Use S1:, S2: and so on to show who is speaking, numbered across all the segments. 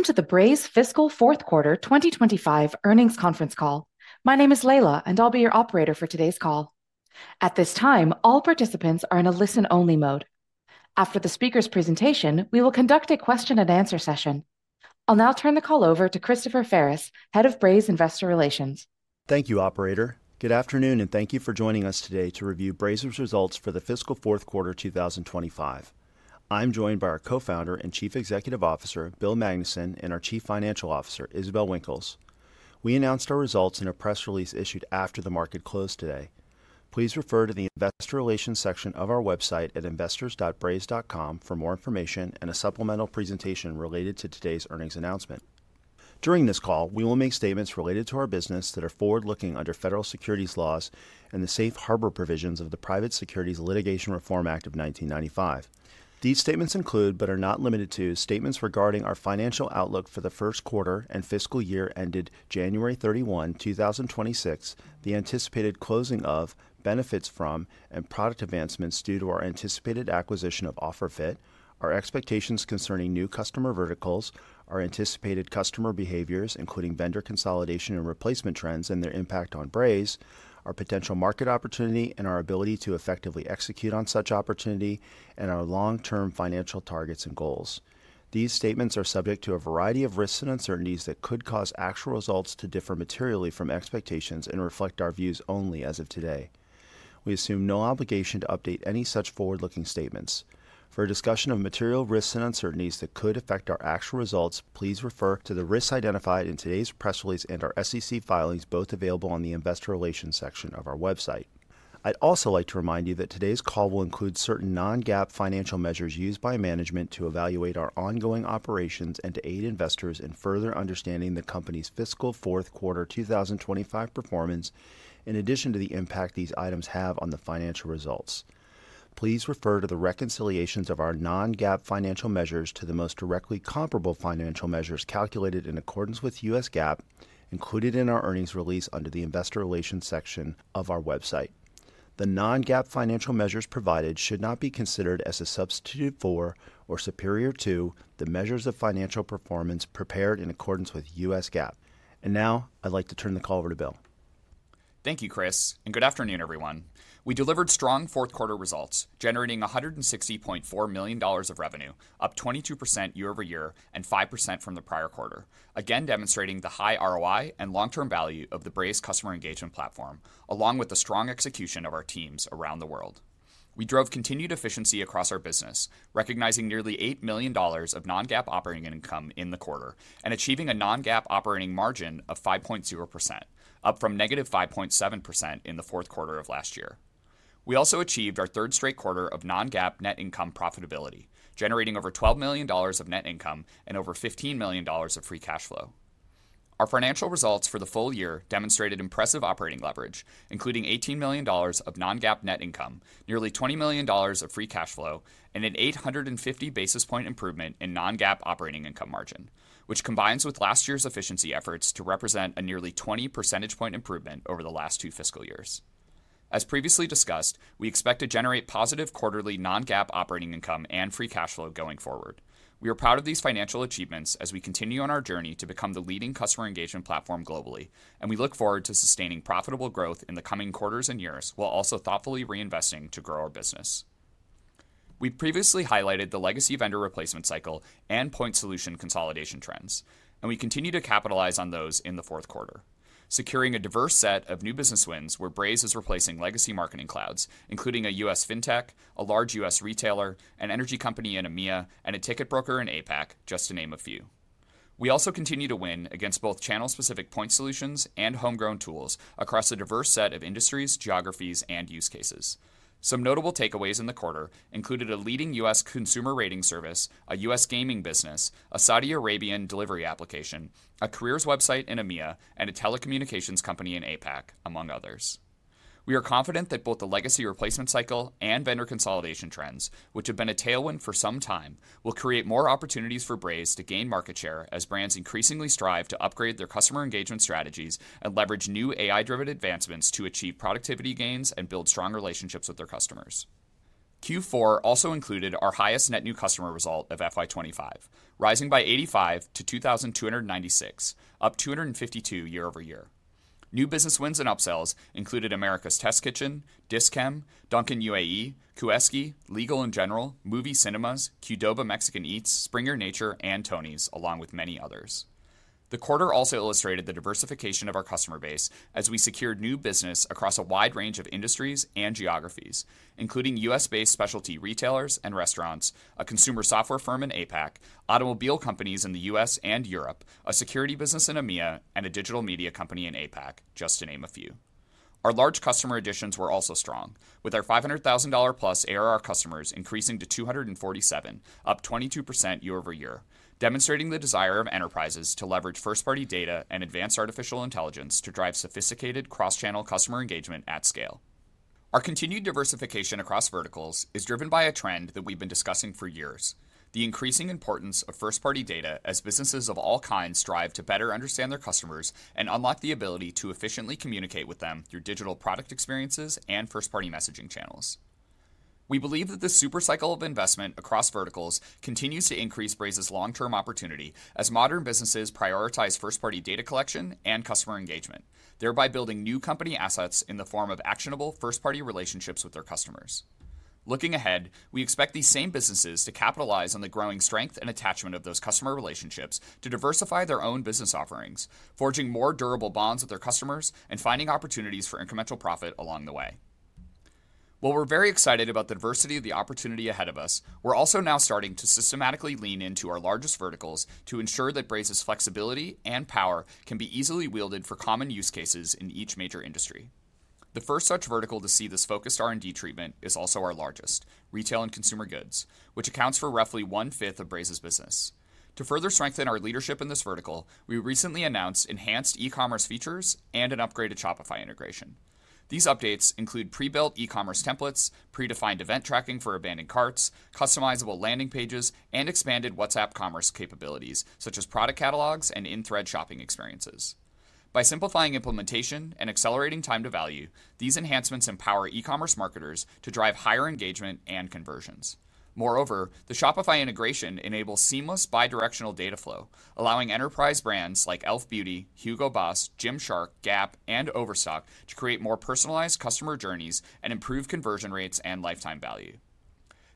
S1: Welcome to the Braze Fiscal Fourth Quarter 2025 Earnings conference call. My name is Leila, and I'll be your operator for today's call. At this time, all participants are in a listen-only mode. After the speaker's presentation, we will conduct a question-and-answer session. I'll now turn the call over to Christopher Ferris, Head of Braze Investor Relations.
S2: Thank you, Operator. Good afternoon, and thank you for joining us today to review Braze's results for the fiscal fourth quarter 2025. I'm joined by our Co-Founder and Chief Executive Officer, Bill Magnuson, and our Chief Financial Officer, Isabelle Winkles. We announced our results in a press release issued after the market closed today. Please refer to the investor relations section of our website at investors.braze.com for more information and a supplemental presentation related to today's earnings announcement. During this call, we will make statements related to our business that are forward-looking under federal securities laws and the safe harbor provisions of the Private Securities Litigation Reform Act of 1995. These statements include, but are not limited to, statements regarding our financial outlook for the first quarter and fiscal year ended January 31, 2026, the anticipated closing of, benefits from, and product advancements due to our anticipated acquisition of OfferFit, our expectations concerning new customer verticals, our anticipated customer behaviors, including vendor consolidation and replacement trends and their impact on Braze, our potential market opportunity and our ability to effectively execute on such opportunity, and our long-term financial targets and goals. These statements are subject to a variety of risks and uncertainties that could cause actual results to differ materially from expectations and reflect our views only as of today. We assume no obligation to update any such forward-looking statements. For a discussion of material risks and uncertainties that could affect our actual results, please refer to the risks identified in today's press release and our SEC filings, both available on the investor relations section of our website. I'd also like to remind you that today's call will include certain non-GAAP financial measures used by management to evaluate our ongoing operations and to aid investors in further understanding the company's fiscal fourth quarter 2025 performance, in addition to the impact these items have on the financial results. Please refer to the reconciliations of our non-GAAP financial measures to the most directly comparable financial measures calculated in accordance with U.S. GAAP, included in our earnings release under the Investor Relations section of our website. The non-GAAP financial measures provided should not be considered as a substitute for or superior to the measures of financial performance prepared in accordance with U.S. GAAP. I would like to turn the call over to Bill.
S3: Thank you, Chris, and good afternoon, everyone. We delivered strong fourth quarter results, generating $160.4 million of revenue, up 22% year-over-year and 5% from the prior quarter, again demonstrating the high ROI and long-term value of the Braze customer engagement platform, along with the strong execution of our teams around the world. We drove continued efficiency across our business, recognizing nearly $8 million of non-GAAP operating income in the quarter and achieving a non-GAAP operating margin of 5.0%, up from negative 5.7% in the fourth quarter of last year. We also achieved our third straight quarter of non-GAAP net income profitability, generating over $12 million of net income and over $15 million of free cash flow. Our financial results for the full year demonstrated impressive operating leverage, including $18 million of non-GAAP net income, nearly $20 million of free cash flow, and an 850 basis point improvement in non-GAAP operating income margin, which combines with last year's efficiency efforts to represent a nearly 20 percentage point improvement over the last two fiscal years. As previously discussed, we expect to generate positive quarterly non-GAAP operating income and free cash flow going forward. We are proud of these financial achievements as we continue on our journey to become the leading customer engagement platform globally, and we look forward to sustaining profitable growth in the coming quarters and years while also thoughtfully reinvesting to grow our business. We previously highlighted the legacy vendor replacement cycle and point solution consolidation trends, and we continue to capitalize on those in the fourth quarter, securing a diverse set of new business wins where Braze is replacing legacy marketing clouds, including a U.S. fintech, a large U.S. retailer, an energy company in EMEA, and a ticket broker in APAC, just to name a few. We also continue to win against both channel-specific point solutions and homegrown tools across a diverse set of industries, geographies, and use cases. Some notable takeaways in the quarter included a leading U.S. consumer rating service, a U.S. gaming business, a Saudi Arabian delivery application, a careers website in EMEA, and a telecommunications company in APAC, among others. We are confident that both the legacy replacement cycle and vendor consolidation trends, which have been a tailwind for some time, will create more opportunities for Braze to gain market share as brands increasingly strive to upgrade their customer engagement strategies and leverage new AI-driven advancements to achieve productivity gains and build strong relationships with their customers. Q4 also included our highest net new customer result of FY 2025, rising by 85 to 2,296, up 252 year-over-year. New business wins and upsells included America's Test Kitchen, Dis-Chem, Dunkin' U.A.E., Kueski, Legal & General, Muvi Cinemas, QDOBA Mexican Eats, Springer Nature, and Tony's, along with many others. The quarter also illustrated the diversification of our customer base as we secured new business across a wide range of industries and geographies, including U.S.-based specialty retailers and restaurants, a consumer software firm in APAC, automobile companies in the U.S. and Europe, a security business in EMEA, and a digital media company in APAC, just to name a few. Our large customer additions were also strong, with our $500,000+ ARR customers increasing to 247, up 22% year-over-year, demonstrating the desire of enterprises to leverage first-party data and advanced artificial intelligence to drive sophisticated cross-channel customer engagement at scale. Our continued diversification across verticals is driven by a trend that we've been discussing for years, the increasing importance of first-party data as businesses of all kinds strive to better understand their customers and unlock the ability to efficiently communicate with them through digital product experiences and first-party messaging channels. We believe that this supercycle of investment across verticals continues to increase Braze's long-term opportunity as modern businesses prioritize first-party data collection and customer engagement, thereby building new company assets in the form of actionable first-party relationships with their customers. Looking ahead, we expect these same businesses to capitalize on the growing strength and attachment of those customer relationships to diversify their own business offerings, forging more durable bonds with their customers, and finding opportunities for incremental profit along the way. While we're very excited about the diversity of the opportunity ahead of us, we're also now starting to systematically lean into our largest verticals to ensure that Braze's flexibility and power can be easily wielded for common use cases in each major industry. The first such vertical to see this focused R&D treatment is also our largest, retail and consumer goods, which accounts for roughly one-fifth of Braze's business. To further strengthen our leadership in this vertical, we recently announced enhanced e-commerce features and an upgraded Shopify integration. These updates include pre-built e-commerce templates, pre-defined event tracking for abandoned carts, customizable landing pages, and expanded WhatsApp commerce capabilities, such as product catalogs and in-thread shopping experiences. By simplifying implementation and accelerating time to value, these enhancements empower e-commerce marketers to drive higher engagement and conversions. Moreover, the Shopify integration enables seamless bidirectional data flow, allowing enterprise brands like e.l.f. Beauty, HUGO BOSS, Gymshark, Gap, and Overstock to create more personalized customer journeys and improve conversion rates and lifetime value.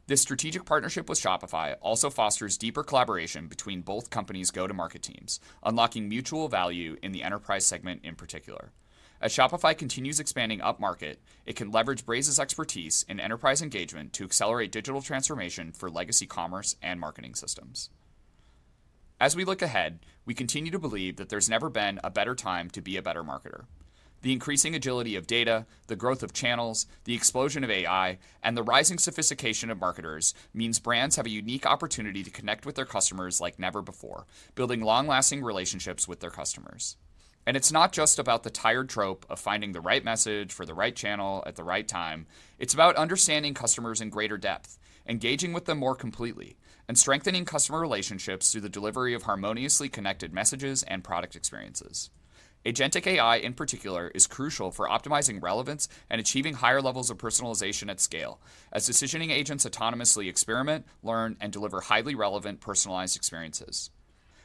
S3: This strategic partnership with Shopify also fosters deeper collaboration between both companies' go-to-market teams, unlocking mutual value in the enterprise segment in particular. As Shopify continues expanding up-market, it can leverage Braze's expertise in enterprise engagement to accelerate digital transformation for legacy commerce and marketing systems. As we look ahead, we continue to believe that there's never been a better time to be a better marketer. The increasing agility of data, the growth of channels, the explosion of AI, and the rising sophistication of marketers means brands have a unique opportunity to connect with their customers like never before, building long-lasting relationships with their customers. It is not just about the tired trope of finding the right message for the right channel at the right time. It is about understanding customers in greater depth, engaging with them more completely, and strengthening customer relationships through the delivery of harmoniously connected messages and product experiences. Agentic AI, in particular, is crucial for optimizing relevance and achieving higher levels of personalization at scale, as decisioning agents autonomously experiment, learn, and deliver highly relevant personalized experiences.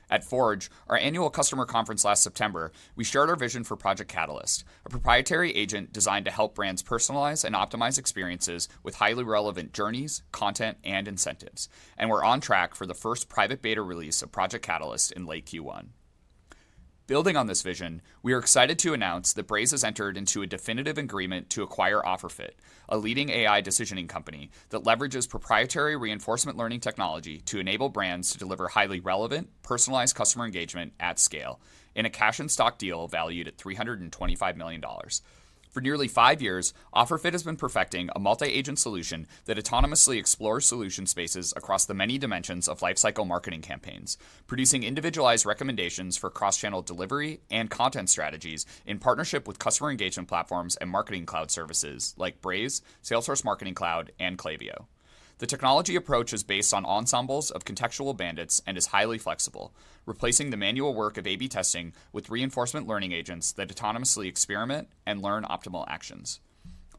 S3: At Forge, our annual customer conference last September, we shared our vision for Project Catalyst, a proprietary agent designed to help brands personalize and optimize experiences with highly relevant journeys, content, and incentives, and we are on track for the first private beta release of Project Catalyst in late Q1. Building on this vision, we are excited to announce that Braze has entered into a definitive agreement to acquire OfferFit, a leading AI decisioning company that leverages proprietary reinforcement learning technology to enable brands to deliver highly relevant, personalized customer engagement at scale in a cash and stock deal valued at $325 million. For nearly five years, OfferFit has been perfecting a multi-agent solution that autonomously explores solution spaces across the many dimensions of lifecycle marketing campaigns, producing individualized recommendations for cross-channel delivery and content strategies in partnership with customer engagement platforms and marketing cloud services like Braze, Salesforce Marketing Cloud, and Klaviyo. The technology approach is based on ensembles of contextual bandits and is highly flexible, replacing the manual work of A/B testing with reinforcement learning agents that autonomously experiment and learn optimal actions.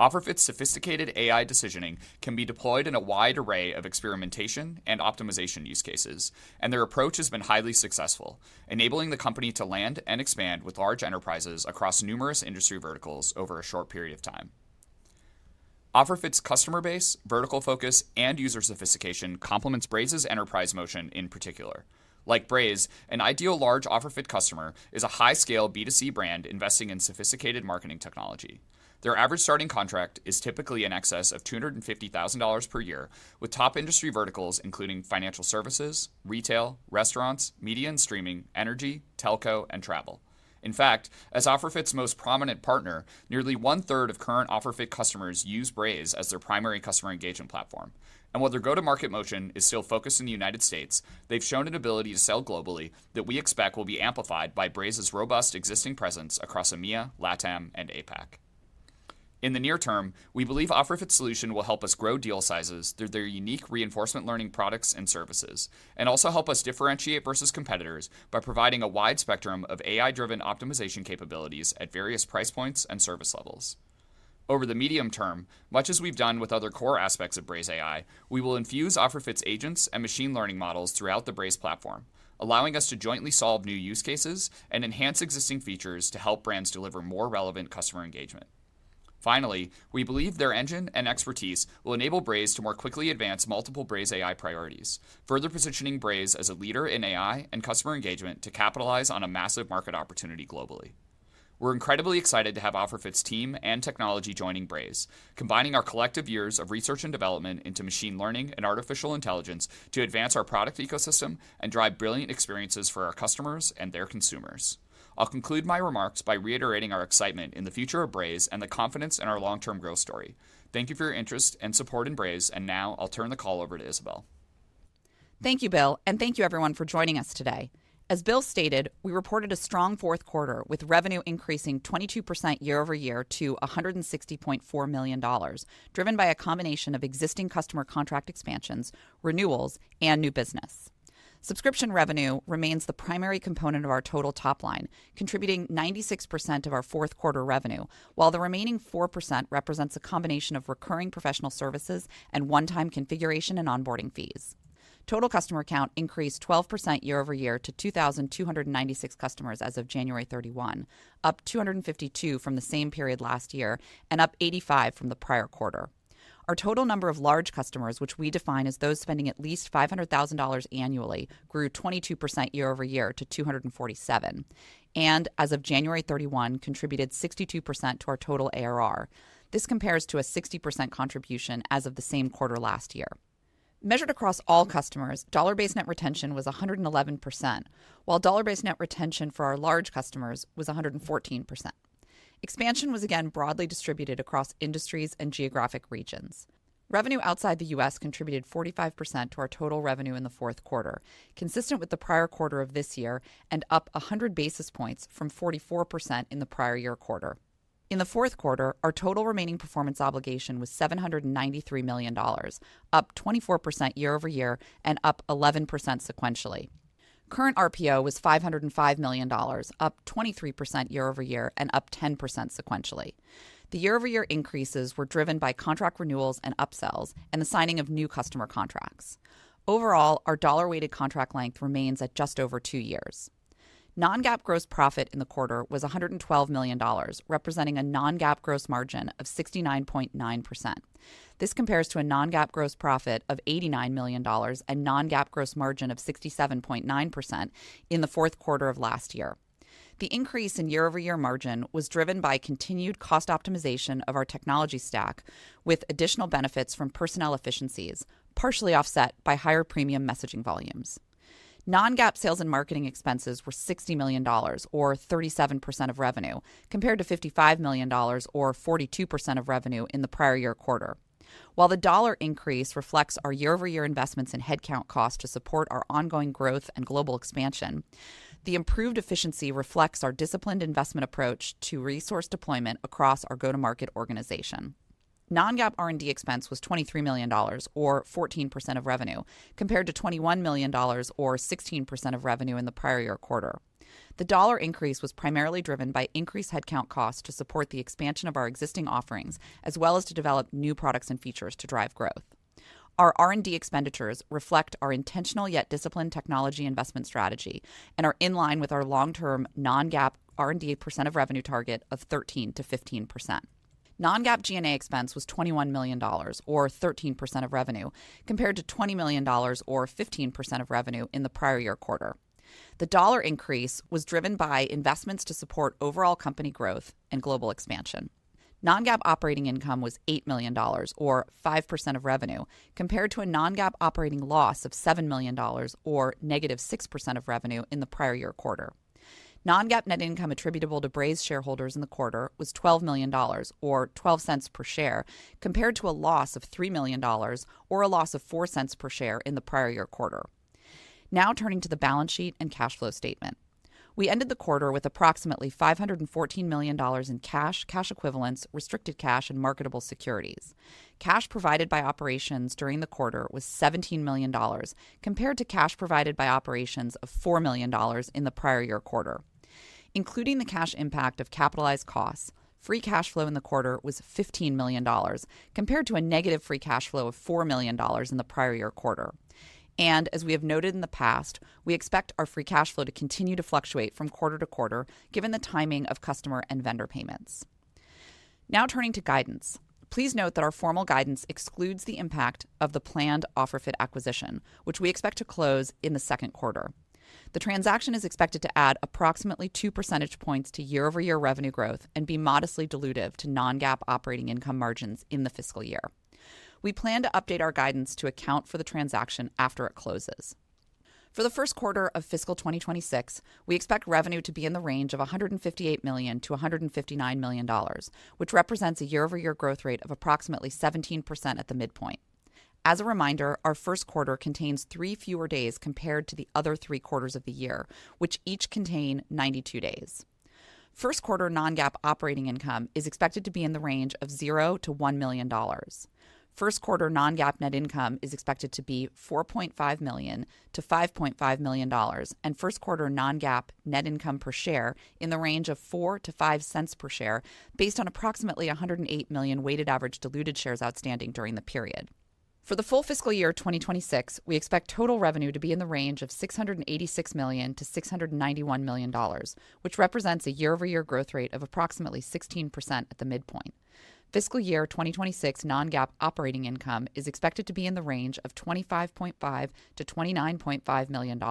S3: OfferFit's sophisticated AI decisioning can be deployed in a wide array of experimentation and optimization use cases, and their approach has been highly successful, enabling the company to land and expand with large enterprises across numerous industry verticals over a short period of time. OfferFit's customer base, vertical focus, and user sophistication complements Braze's enterprise motion in particular. Like Braze, an ideal large OfferFit customer is a high-scale B2C brand investing in sophisticated marketing technology. Their average starting contract is typically in excess of $250,000 per year, with top industry verticals including financial services, retail, restaurants, media and streaming, energy, telco, and travel. In fact, as OfferFit's most prominent partner, nearly one-third of current OfferFit customers use Braze as their primary customer engagement platform. While their go-to-market motion is still focused in the U.S., they have shown an ability to sell globally that we expect will be amplified by Braze's robust existing presence across EMEA, LatAm, and APAC. In the near term, we believe OfferFit's solution will help us grow deal sizes through their unique reinforcement learning products and services, and also help us differentiate versus competitors by providing a wide spectrum of AI-driven optimization capabilities at various price points and service levels. Over the medium term, much as we have done with other core aspects of BrazeAI, we will infuse OfferFit's agents and machine learning models throughout the Braze platform, allowing us to jointly solve new use cases and enhance existing features to help brands deliver more relevant customer engagement. Finally, we believe their engine and expertise will enable Braze to more quickly advance multiple BrazeAI priorities, further positioning Braze as a leader in AI and customer engagement to capitalize on a massive market opportunity globally. We're incredibly excited to have OfferFit's team and technology joining Braze, combining our collective years of research and development into machine learning and artificial intelligence to advance our product ecosystem and drive brilliant experiences for our customers and their consumers. I'll conclude my remarks by reiterating our excitement in the future of Braze and the confidence in our long-term growth story. Thank you for your interest and support in Braze, and now I'll turn the call over to Isabelle.
S4: Thank you, Bill, and thank you, everyone, for joining us today. As Bill stated, we reported a strong fourth quarter with revenue increasing 22% year-over-year to $160.4 million, driven by a combination of existing customer contract expansions, renewals, and new business. Subscription revenue remains the primary component of our total top line, contributing 96% of our fourth quarter revenue, while the remaining 4% represents a combination of recurring professional services and one-time configuration and onboarding fees. Total customer count increased 12% year-over-year to 2,296 customers as of January 31, up 252 from the same period last year and up 85 from the prior quarter. Our total number of large customers, which we define as those spending at least $500,000 annually, grew 22% year-over-year to 247, and as of January 31, contributed 62% to our total ARR. This compares to a 60% contribution as of the same quarter last year. Measured across all customers, dollar-based net retention was 111%, while dollar-based net retention for our large customers was 114%. Expansion was again broadly distributed across industries and geographic regions. Revenue outside the U.S. contributed 45% to our total revenue in the fourth quarter, consistent with the prior quarter of this year and up 100 basis points from 44% in the prior year quarter. In the fourth quarter, our total remaining performance obligation was $793 million, up 24% year-over-year and up 11% sequentially. Current RPO was $505 million, up 23% year-over-year and up 10% sequentially. The year-over-year increases were driven by contract renewals and upsells and the signing of new customer contracts. Overall, our dollar-weighted contract length remains at just over two years. Non-GAAP gross profit in the quarter was $112 million, representing a non-GAAP gross margin of 69.9%. This compares to a non-GAAP gross profit of $89 million and non-GAAP gross margin of 67.9% in the fourth quarter of last year. The increase in year-over-year margin was driven by continued cost optimization of our technology stack, with additional benefits from personnel efficiencies, partially offset by higher premium messaging volumes. Non-GAAP sales and marketing expenses were $60 million, or 37% of revenue, compared to $55 million, or 42% of revenue in the prior year quarter. While the dollar increase reflects our year-over-year investments in headcount cost to support our ongoing growth and global expansion, the improved efficiency reflects our disciplined investment approach to resource deployment across our go-to-market organization. Non-GAAP R&D expense was $23 million, or 14% of revenue, compared to $21 million, or 16% of revenue in the prior year quarter. The dollar increase was primarily driven by increased headcount cost to support the expansion of our existing offerings, as well as to develop new products and features to drive growth. Our R&D expenditures reflect our intentional yet disciplined technology investment strategy and are in line with our long-term non-GAAP R&D percent of revenue target of 13%-15%. Non-GAAP G&A expense was $21 million, or 13% of revenue, compared to $20 million, or 15% of revenue in the prior year quarter. The dollar increase was driven by investments to support overall company growth and global expansion. Non-GAAP operating income was $8 million, or 5% of revenue, compared to a non-GAAP operating loss of $7 million, or -6% of revenue in the prior year quarter. Non-GAAP net income attributable to Braze shareholders in the quarter was $12 million, or $0.12 per share, compared to a loss of $3 million, or a loss of $0.04 per share in the prior year quarter. Now turning to the balance sheet and cash flow statement. We ended the quarter with approximately $514 million in cash, cash equivalents, restricted cash, and marketable securities. Cash provided by operations during the quarter was $17 million, compared to cash provided by operations of $4 million in the prior year quarter. Including the cash impact of capitalized costs, free cash flow in the quarter was $15 million, compared to a negative free cash flow of $4 million in the prior year quarter. As we have noted in the past, we expect our free cash flow to continue to fluctuate from quarter to quarter, given the timing of customer and vendor payments. Now turning to guidance. Please note that our formal guidance excludes the impact of the planned OfferFit acquisition, which we expect to close in the second quarter. The transaction is expected to add approximately 2 percentage points to year-over-year revenue growth and be modestly dilutive to non-GAAP operating income margins in the fiscal year. We plan to update our guidance to account for the transaction after it closes. For the first quarter of fiscal 2026, we expect revenue to be in the range of $158 million-$159 million, which represents a year-over-year growth rate of approximately 17% at the midpoint. As a reminder, our first quarter contains three fewer days compared to the other three quarters of the year, which each contain 92 days. First quarter non-GAAP operating income is expected to be in the range of $0-$1 million. First quarter non-GAAP net income is expected to be $4.5 million-$5.5 million, and first quarter non-GAAP net income per share in the range of $0.04-$0.05 per share, based on approximately 108 million weighted average diluted shares outstanding during the period. For the full fiscal year 2026, we expect total revenue to be in the range of $686 million-$691 million, which represents a year-over-year growth rate of approximately 16% at the midpoint. Fiscal year 2026 non-GAAP operating income is expected to be in the range of $25.5 million-$29.5 million.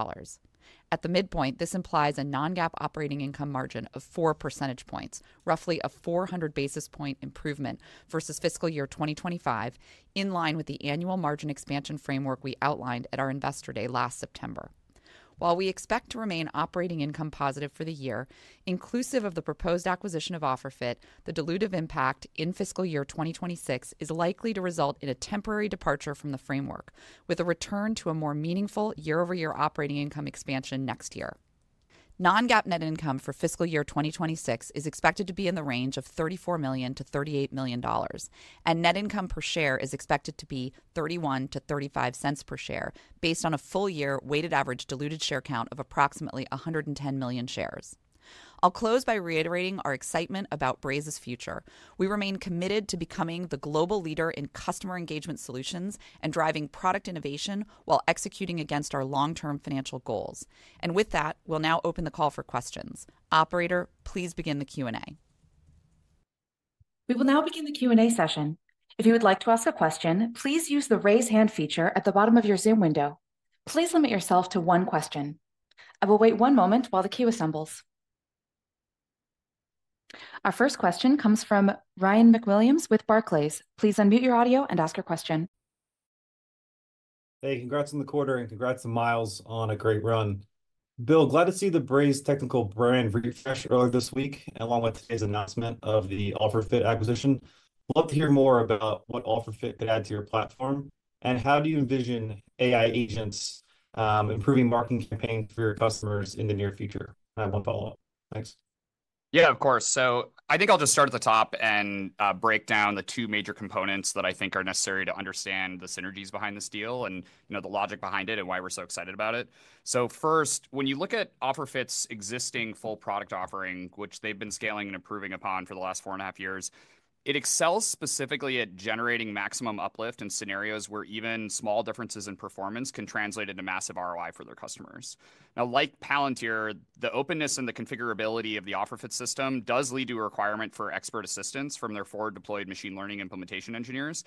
S4: At the midpoint, this implies a non-GAAP operating income margin of 4 percentage points, roughly a 400 basis point improvement versus fiscal year 2025, in line with the annual margin expansion framework we outlined at our investor day last September. While we expect to remain operating income positive for the year, inclusive of the proposed acquisition of OfferFit, the dilutive impact in fiscal year 2026 is likely to result in a temporary departure from the framework, with a return to a more meaningful year-over-year operating income expansion next year. Non-GAAP net income for fiscal year 2026 is expected to be in the range of $34 million-$38 million, and net income per share is expected to be $0.31-$0.35 per share, based on a full year weighted average diluted share count of approximately 110 million shares. I'll close by reiterating our excitement about Braze's future. We remain committed to becoming the global leader in customer engagement solutions and driving product innovation while executing against our long-term financial goals. With that, we'll now open the call for questions. Operator, please begin the Q&A.
S1: We will now begin the Q&A session. If you would like to ask a question, please use the raise hand feature at the bottom of your Zoom window. Please limit yourself to one question. I will wait one moment while the queue assembles. Our first question comes from Ryan MacWilliams with Barclays. Please unmute your audio and ask your question.
S5: Hey, congrats on the quarter and congrats to Myles on a great run. Bill, glad to see the Braze technical brand refresh early this week, along with today's announcement of the OfferFit acquisition. Love to hear more about what OfferFit could add to your platform and how do you envision AI agents improving marketing campaigns for your customers in the near future. I have one follow-up. Thanks.
S3: Yeah, of course. I think I'll just start at the top and break down the two major components that I think are necessary to understand the synergies behind this deal and the logic behind it and why we're so excited about it. First, when you look at OfferFit's existing full product offering, which they've been scaling and improving upon for the last four and a half years, it excels specifically at generating maximum uplift in scenarios where even small differences in performance can translate into massive ROI for their customers. Now, like Palantir, the openness and the configurability of the OfferFit system does lead to a requirement for expert assistance from their forward-deployed machine learning implementation engineers.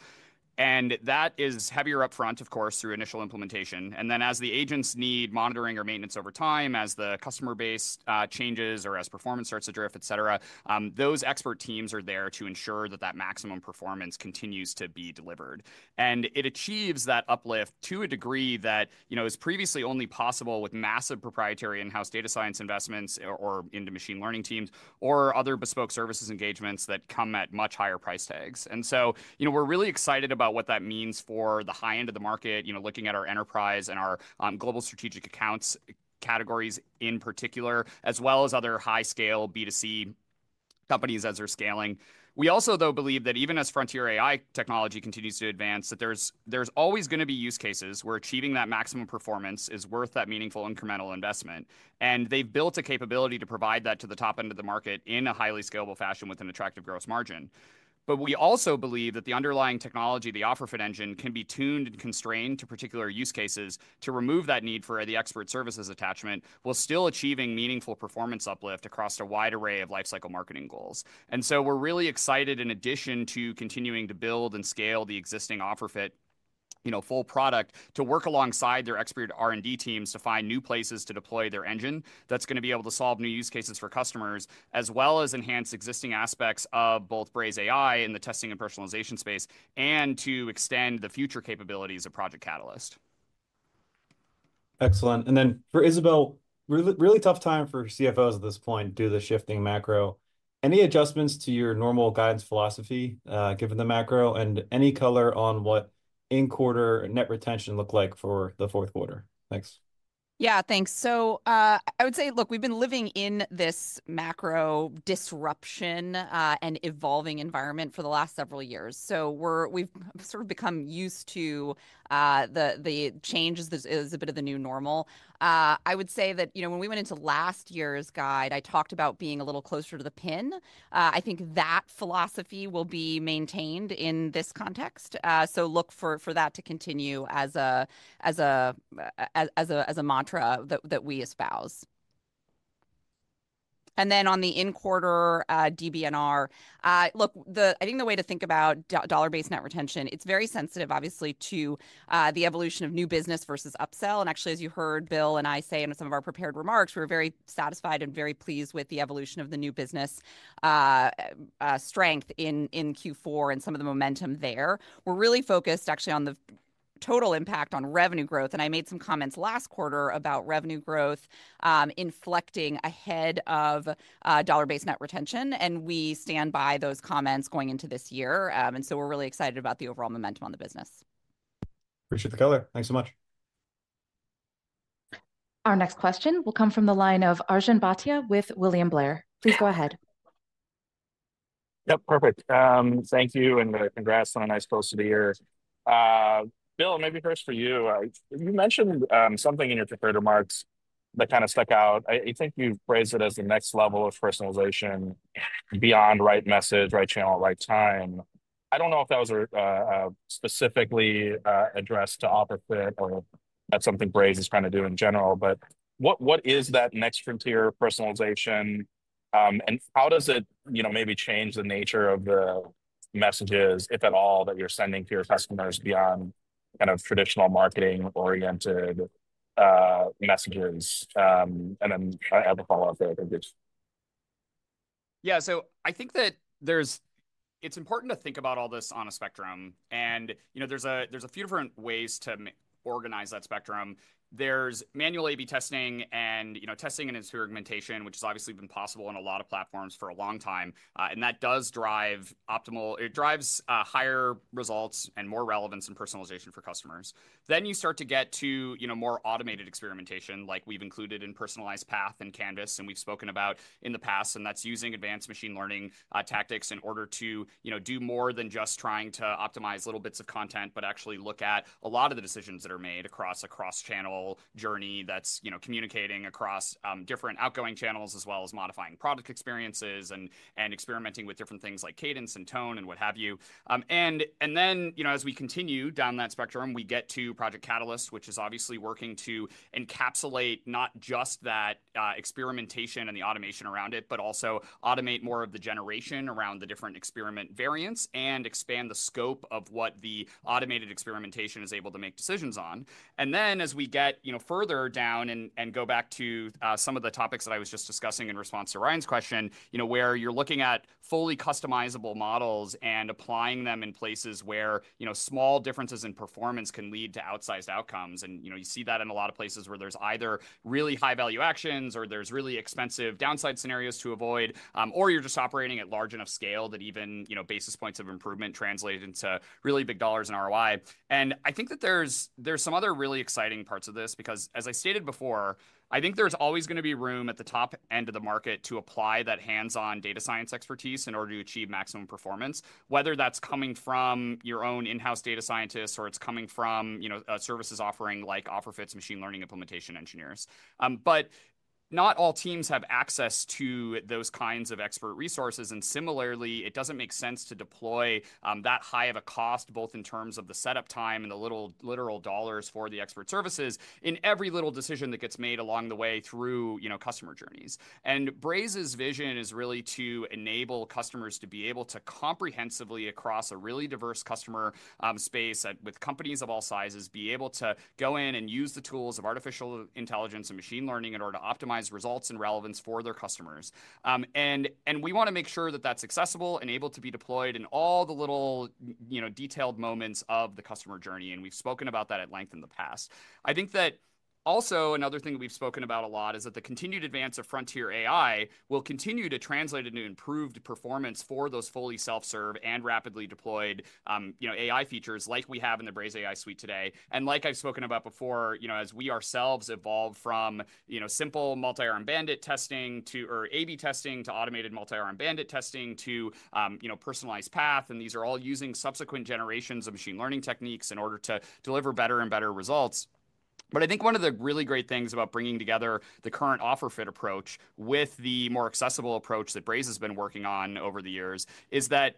S3: That is heavier upfront, of course, through initial implementation. As the agents need monitoring or maintenance over time, as the customer base changes or as performance starts to drift, et cetera, those expert teams are there to ensure that maximum performance continues to be delivered. It achieves that uplift to a degree that is previously only possible with massive proprietary in-house data science investments or into machine learning teams or other bespoke services engagements that come at much higher price tags. We are really excited about what that means for the high end of the market, looking at our enterprise and our global strategic accounts categories in particular, as well as other high-scale B2C companies as they are scaling. We also, though, believe that even as frontier AI technology continues to advance, there is always going to be use cases where achieving that maximum performance is worth that meaningful incremental investment. They have built a capability to provide that to the top end of the market in a highly scalable fashion with an attractive gross margin. We also believe that the underlying technology, the OfferFit engine, can be tuned and constrained to particular use cases to remove that need for the expert services attachment while still achieving meaningful performance uplift across a wide array of lifecycle marketing goals. We are really excited, in addition to continuing to build and scale the existing OfferFit full product, to work alongside their expert R&D teams to find new places to deploy their engine that is going to be able to solve new use cases for customers, as well as enhance existing aspects of both BrazeAI in the testing and personalization space and to extend the future capabilities of Project Catalyst.
S5: Excellent. For Isabelle, really tough time for CFOs at this point to do the shifting macro. Any adjustments to your normal guidance philosophy given the macro and any color on what in-quarter net retention looked like for the fourth quarter? Thanks.
S4: Yeah, thanks. I would say, look, we've been living in this macro disruption and evolving environment for the last several years. We've sort of become used to the changes as a bit of the new normal. I would say that when we went into last year's guide, I talked about being a little closer to the pin. I think that philosophy will be maintained in this context. Look for that to continue as a mantra that we espouse. On the in-quarter DBNR, I think the way to think about dollar-based net retention, it's very sensitive, obviously, to the evolution of new business versus upsell. Actually, as you heard Bill and I say in some of our prepared remarks, we were very satisfied and very pleased with the evolution of the new business strength in Q4 and some of the momentum there. We're really focused actually on the total impact on revenue growth. I made some comments last quarter about revenue growth inflecting ahead of dollar-based net retention. We stand by those comments going into this year. We're really excited about the overall momentum on the business.
S5: Appreciate the color. Thanks so much.
S1: Our next question will come from the line of Arjun Bhatia with William Blair. Please go ahead.
S6: Yep, perfect. Thank you and congrats. So nice to be here. Bill, maybe first for you. You mentioned something in your prepared remarks that kind of stuck out. I think you have phrased it as the next level of personalization beyond right message, right channel, right time. I do not know if that was specifically addressed to OfferFit or that is something Braze is trying to do in general. What is that next frontier personalization and how does it maybe change the nature of the messages, if at all, that you are sending to your customers beyond kind of traditional marketing-oriented messages? I have a follow-up there, I think.
S3: Yeah, I think that it's important to think about all this on a spectrum. There's a few different ways to organize that spectrum. There's manual A/B testing and testing and instrumentation, which has obviously been possible on a lot of platforms for a long time. That does drive optimal, it drives higher results and more relevance and personalization for customers. You start to get to more automated experimentation, like we've included in Personalized Path and Canvas, and we've spoken about in the past, and that's using advanced machine learning tactics in order to do more than just trying to optimize little bits of content, but actually look at a lot of the decisions that are made across a cross-channel journey that's communicating across different outgoing channels, as well as modifying product experiences and experimenting with different things like cadence and tone and what have you. As we continue down that spectrum, we get to Project Catalyst, which is obviously working to encapsulate not just that experimentation and the automation around it, but also automate more of the generation around the different experiment variants and expand the scope of what the automated experimentation is able to make decisions on. As we get further down and go back to some of the topics that I was just discussing in response to Ryan's question, where you're looking at fully customizable models and applying them in places where small differences in performance can lead to outsized outcomes. You see that in a lot of places where there's either really high-value actions or there's really expensive downside scenarios to avoid, or you're just operating at large enough scale that even basis points of improvement translate into really big dollars in ROI. I think that there's some other really exciting parts of this because, as I stated before, I think there's always going to be room at the top end of the market to apply that hands-on data science expertise in order to achieve maximum performance, whether that's coming from your own in-house data scientists or it's coming from a services offering like OfferFit's machine learning implementation engineers. Not all teams have access to those kinds of expert resources. Similarly, it doesn't make sense to deploy that high of a cost, both in terms of the setup time and the literal dollars for the expert services in every little decision that gets made along the way through customer journeys. Braze's vision is really to enable customers to be able to comprehensively across a really diverse customer space with companies of all sizes be able to go in and use the tools of artificial intelligence and machine learning in order to optimize results and relevance for their customers. We want to make sure that that's accessible and able to be deployed in all the little detailed moments of the customer journey. We've spoken about that at length in the past. I think that also another thing we've spoken about a lot is that the continued advance of frontier AI will continue to translate into improved performance for those fully self-serve and rapidly deployed AI features like we have in the BrazeAI suite today. Like I've spoken about before, as we ourselves evolve from simple multi-arm bandit testing or A/B testing to automated multi-arm bandit testing to personalized path, and these are all using subsequent generations of machine learning techniques in order to deliver better and better results. I think one of the really great things about bringing together the current OfferFit approach with the more accessible approach that Braze has been working on over the years is the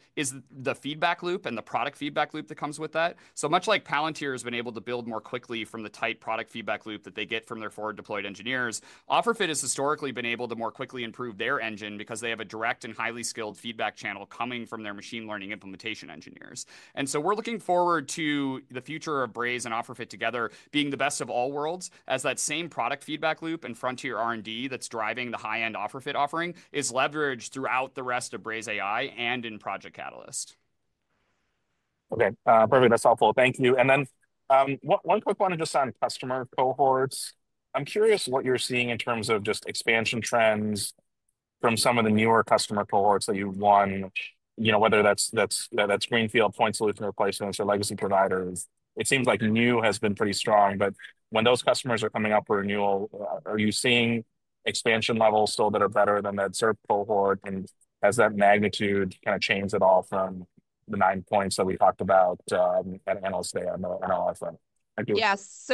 S3: feedback loop and the product feedback loop that comes with that. Much like Palantir has been able to build more quickly from the tight product feedback loop that they get from their forward-deployed engineers, OfferFit has historically been able to more quickly improve their engine because they have a direct and highly skilled feedback channel coming from their machine learning implementation engineers. We are looking forward to the future of Braze and OfferFit together being the best of all worlds as that same product feedback loop and frontier R&D that is driving the high-end OfferFit offering is leveraged throughout the rest of BrazeAI and in Project Catalyst.
S6: Okay, perfect. That's helpful. Thank you. One quick one just on customer cohorts. I'm curious what you're seeing in terms of just expansion trends from some of the newer customer cohorts that you've won, whether that's greenfield point solution replacements or legacy providers. It seems like new has been pretty strong, but when those customers are coming up for renewal, are you seeing expansion levels still that are better than that ZIRP cohort? Has that magnitude kind of changed at all from the nine points that we talked about at Analyst Day on the NDR front?
S4: Yes.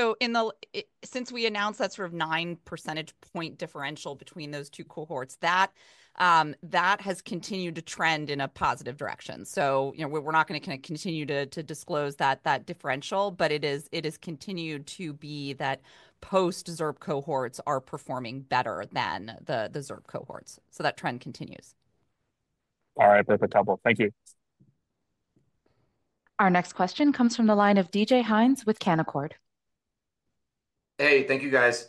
S4: Since we announced that sort of nine percentage point differential between those two cohorts, that has continued to trend in a positive direction. We are not going to continue to disclose that differential, but it has continued to be that post-ZIRP cohorts are performing better than the ZIRP cohorts. That trend continues.
S6: All right, perfect. Helpful. Thank you.
S1: Our next question comes from the line of DJ Hynes with Canaccord.
S7: Hey, thank you, guys.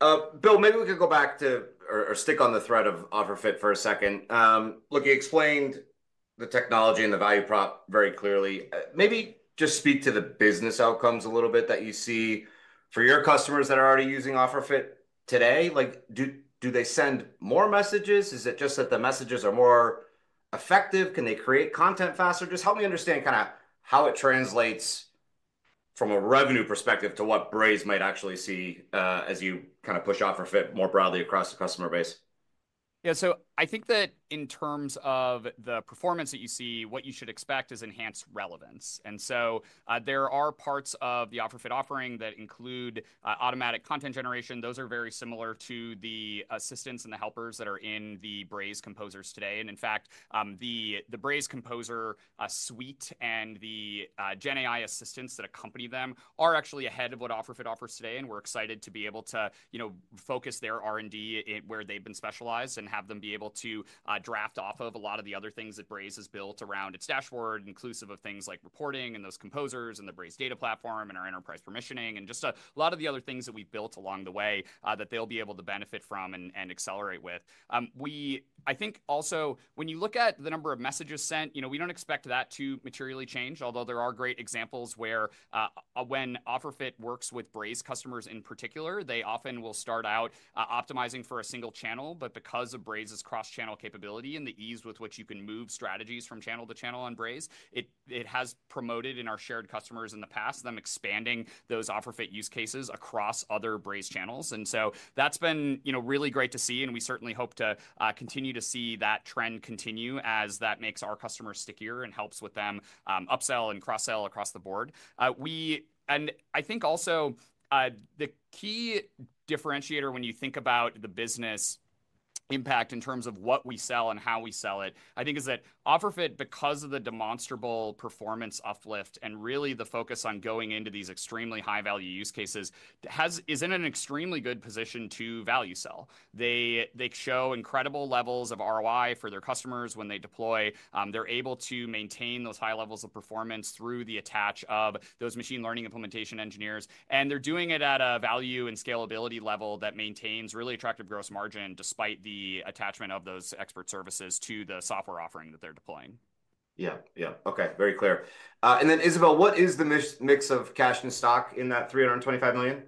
S7: Bill, maybe we could go back to or stick on the thread of OfferFit for a second. Look, you explained the technology and the value prop very clearly. Maybe just speak to the business outcomes a little bit that you see for your customers that are already using OfferFit today. Do they send more messages? Is it just that the messages are more effective? Can they create content faster? Just help me understand kind of how it translates from a revenue perspective to what Braze might actually see as you kind of push OfferFit more broadly across the customer base.
S3: Yeah, I think that in terms of the performance that you see, what you should expect is enhanced relevance. There are parts of the OfferFit offering that include automatic content generation. Those are very similar to the assistants and the helpers that are in the Braze Composers today. In fact, the Braze Composer suite and the GenAI assistants that accompany them are actually ahead of what OfferFit offers today. We are excited to be able to focus their R&D where they have been specialized and have them be able to draft off of a lot of the other things that Braze has built around its dashboard, inclusive of things like reporting and those composers and the Braze Data Platform and our enterprise permissioning and just a lot of the other things that we have built along the way that they will be able to benefit from and accelerate with. I think also, when you look at the number of messages sent, we don't expect that to materially change, although there are great examples where when OfferFit works with Braze customers in particular, they often will start out optimizing for a single channel. Because of Braze's cross-channel capability and the ease with which you can move strategies from channel to channel on Braze, it has promoted in our shared customers in the past them expanding those OfferFit use cases across other Braze channels. That has been really great to see. We certainly hope to continue to see that trend continue as that makes our customers stickier and helps with them upsell and cross-sell across the board. I think also the key differentiator when you think about the business impact in terms of what we sell and how we sell it, I think is that OfferFit, because of the demonstrable performance uplift and really the focus on going into these extremely high-value use cases, is in an extremely good position to value sell. They show incredible levels of ROI for their customers when they deploy. They're able to maintain those high levels of performance through the attach of those machine learning implementation engineers. They're doing it at a value and scalability level that maintains really attractive gross margin despite the attachment of those expert services to the software offering that they're deploying.
S7: Yeah, yeah. Okay, very clear. Isabelle, what is the mix of cash and stock in that $325 million?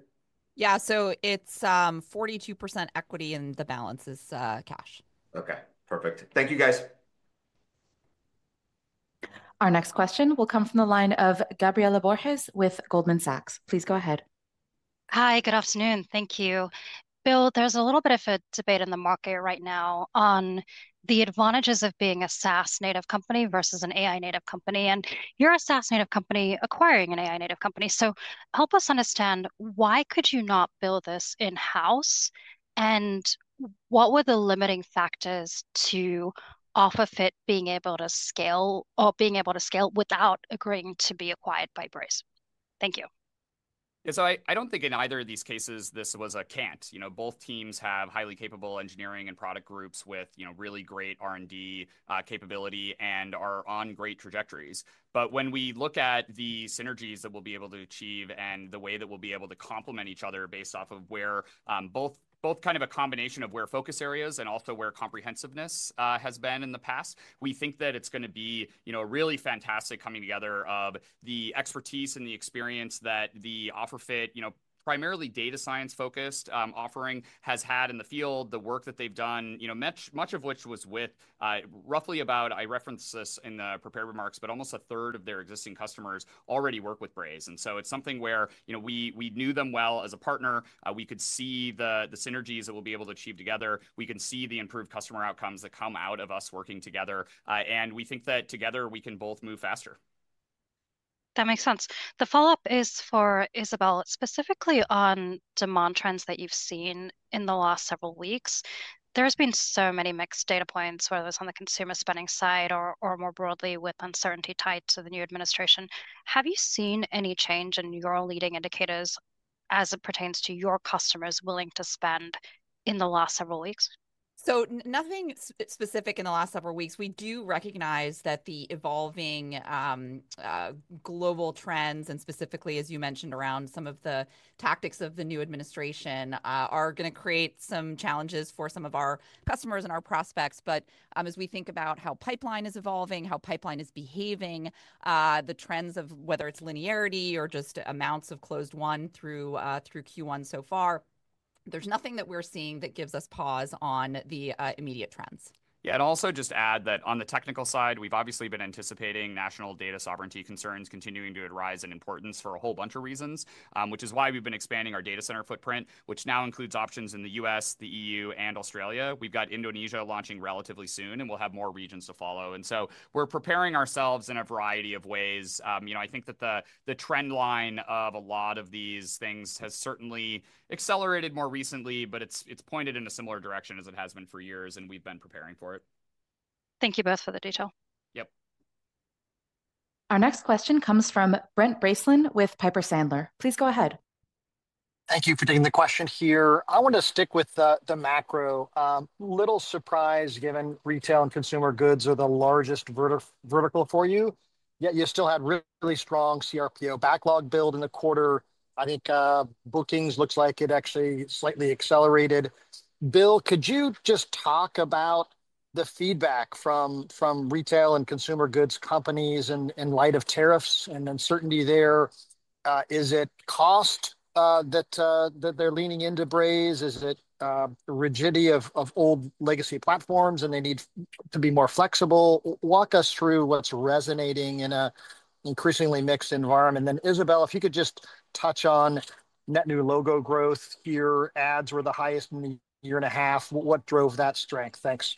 S4: Yeah, so it's 42% equity and the balance is cash.
S7: Okay, perfect. Thank you, guys.
S1: Our next question will come from the line of Gabriela Borges with Goldman Sachs. Please go ahead.
S8: Hi, good afternoon. Thank you. Bill, there's a little bit of a debate in the market right now on the advantages of being a SaaS-native company versus an AI-native company. And you're a SaaS-native company acquiring an AI-native company. Help us understand why could you not build this in-house and what were the limiting factors to OfferFit being able to scale or being able to scale without agreeing to be acquired by Braze? Thank you.
S3: Yeah, I don't think in either of these cases this was a can't. Both teams have highly capable engineering and product groups with really great R&D capability and are on great trajectories. When we look at the synergies that we'll be able to achieve and the way that we'll be able to complement each other based off of both kind of a combination of where focus areas and also where comprehensiveness has been in the past, we think that it's going to be a really fantastic coming together of the expertise and the experience that the OfferFit, primarily data science-focused offering, has had in the field, the work that they've done, much of which was with roughly about, I referenced this in the prepared remarks, but almost a third of their existing customers already work with Braze. It is something where we knew them well as a partner. We could see the synergies that we will be able to achieve together. We can see the improved customer outcomes that come out of us working together. We think that together we can both move faster.
S8: That makes sense. The follow-up is for Isabelle, specifically on demand trends that you've seen in the last several weeks. There have been so many mixed data points, whether it's on the consumer spending side or more broadly with uncertainty tied to the new administration. Have you seen any change in your leading indicators as it pertains to your customers willing to spend in the last several weeks?
S4: Nothing specific in the last several weeks. We do recognize that the evolving global trends and specifically, as you mentioned, around some of the tactics of the new administration are going to create some challenges for some of our customers and our prospects. As we think about how pipeline is evolving, how pipeline is behaving, the trends of whether it's linearity or just amounts of closed one through Q1 so far, there's nothing that we're seeing that gives us pause on the immediate trends.
S3: Yeah, and I'll also just add that on the technical side, we've obviously been anticipating national data sovereignty concerns continuing to arise in importance for a whole bunch of reasons, which is why we've been expanding our data center footprint, which now includes options in the U.S., the EU, and Australia. We've got Indonesia launching relatively soon, and we'll have more regions to follow. We're preparing ourselves in a variety of ways. I think that the trend line of a lot of these things has certainly accelerated more recently, but it's pointed in a similar direction as it has been for years, and we've been preparing for it.
S8: Thank you both for the detail.
S3: Yep.
S1: Our next question comes from Brent Bracelin with Piper Sandler. Please go ahead.
S9: Thank you for taking the question here. I want to stick with the macro. Little surprise given retail and consumer goods are the largest vertical for you. Yet you still had really strong CRPO backlog build in the quarter. I think bookings looks like it actually slightly accelerated. Bill, could you just talk about the feedback from retail and consumer goods companies in light of tariffs and uncertainty there? Is it cost that they're leaning into Braze? Is it rigidity of old legacy platforms and they need to be more flexible? Walk us through what's resonating in an increasingly mixed environment. Isabelle, if you could just touch on net new logo growth here. Ads were the highest in a year and a half. What drove that strength? Thanks.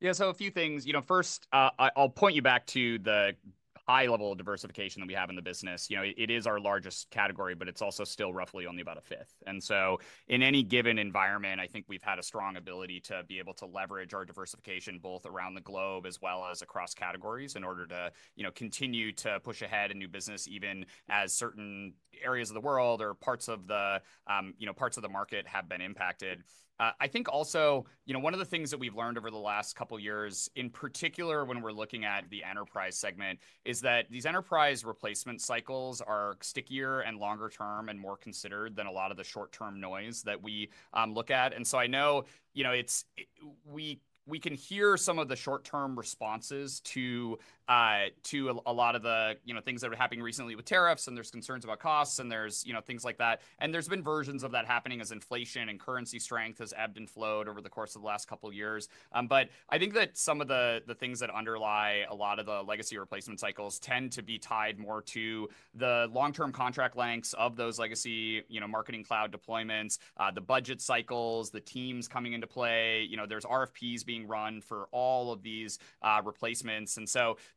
S3: Yeah, so a few things. First, I'll point you back to the high level of diversification that we have in the business. It is our largest category, but it's also still roughly only about a fifth. In any given environment, I think we've had a strong ability to be able to leverage our diversification both around the globe as well as across categories in order to continue to push ahead in new business even as certain areas of the world or parts of the market have been impacted. I think also one of the things that we've learned over the last couple of years, in particular when we're looking at the enterprise segment, is that these enterprise replacement cycles are stickier and longer term and more considered than a lot of the short-term noise that we look at. I know we can hear some of the short-term responses to a lot of the things that were happening recently with tariffs, and there's concerns about costs, and there's things like that. There's been versions of that happening as inflation and currency strength has ebbed and flowed over the course of the last couple of years. I think that some of the things that underlie a lot of the legacy replacement cycles tend to be tied more to the long-term contract lengths of those legacy marketing cloud deployments, the budget cycles, the teams coming into play. There's RFPs being run for all of these replacements.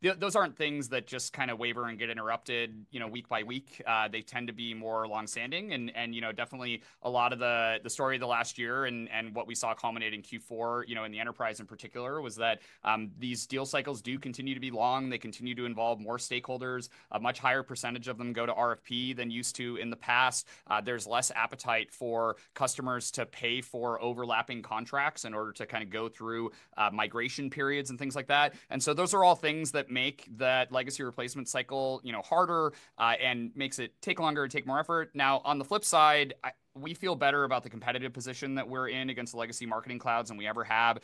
S3: Those aren't things that just kind of waver and get interrupted week by week. They tend to be more longstanding. Definitely, a lot of the story of the last year and what we saw culminating Q4 in the enterprise in particular was that these deal cycles do continue to be long. They continue to involve more stakeholders. A much higher percentage of them go to RFP than used to in the past. There is less appetite for customers to pay for overlapping contracts in order to kind of go through migration periods and things like that. Those are all things that make that legacy replacement cycle harder and make it take longer and take more effort. On the flip side, we feel better about the competitive position that we are in against the legacy marketing clouds than we ever have.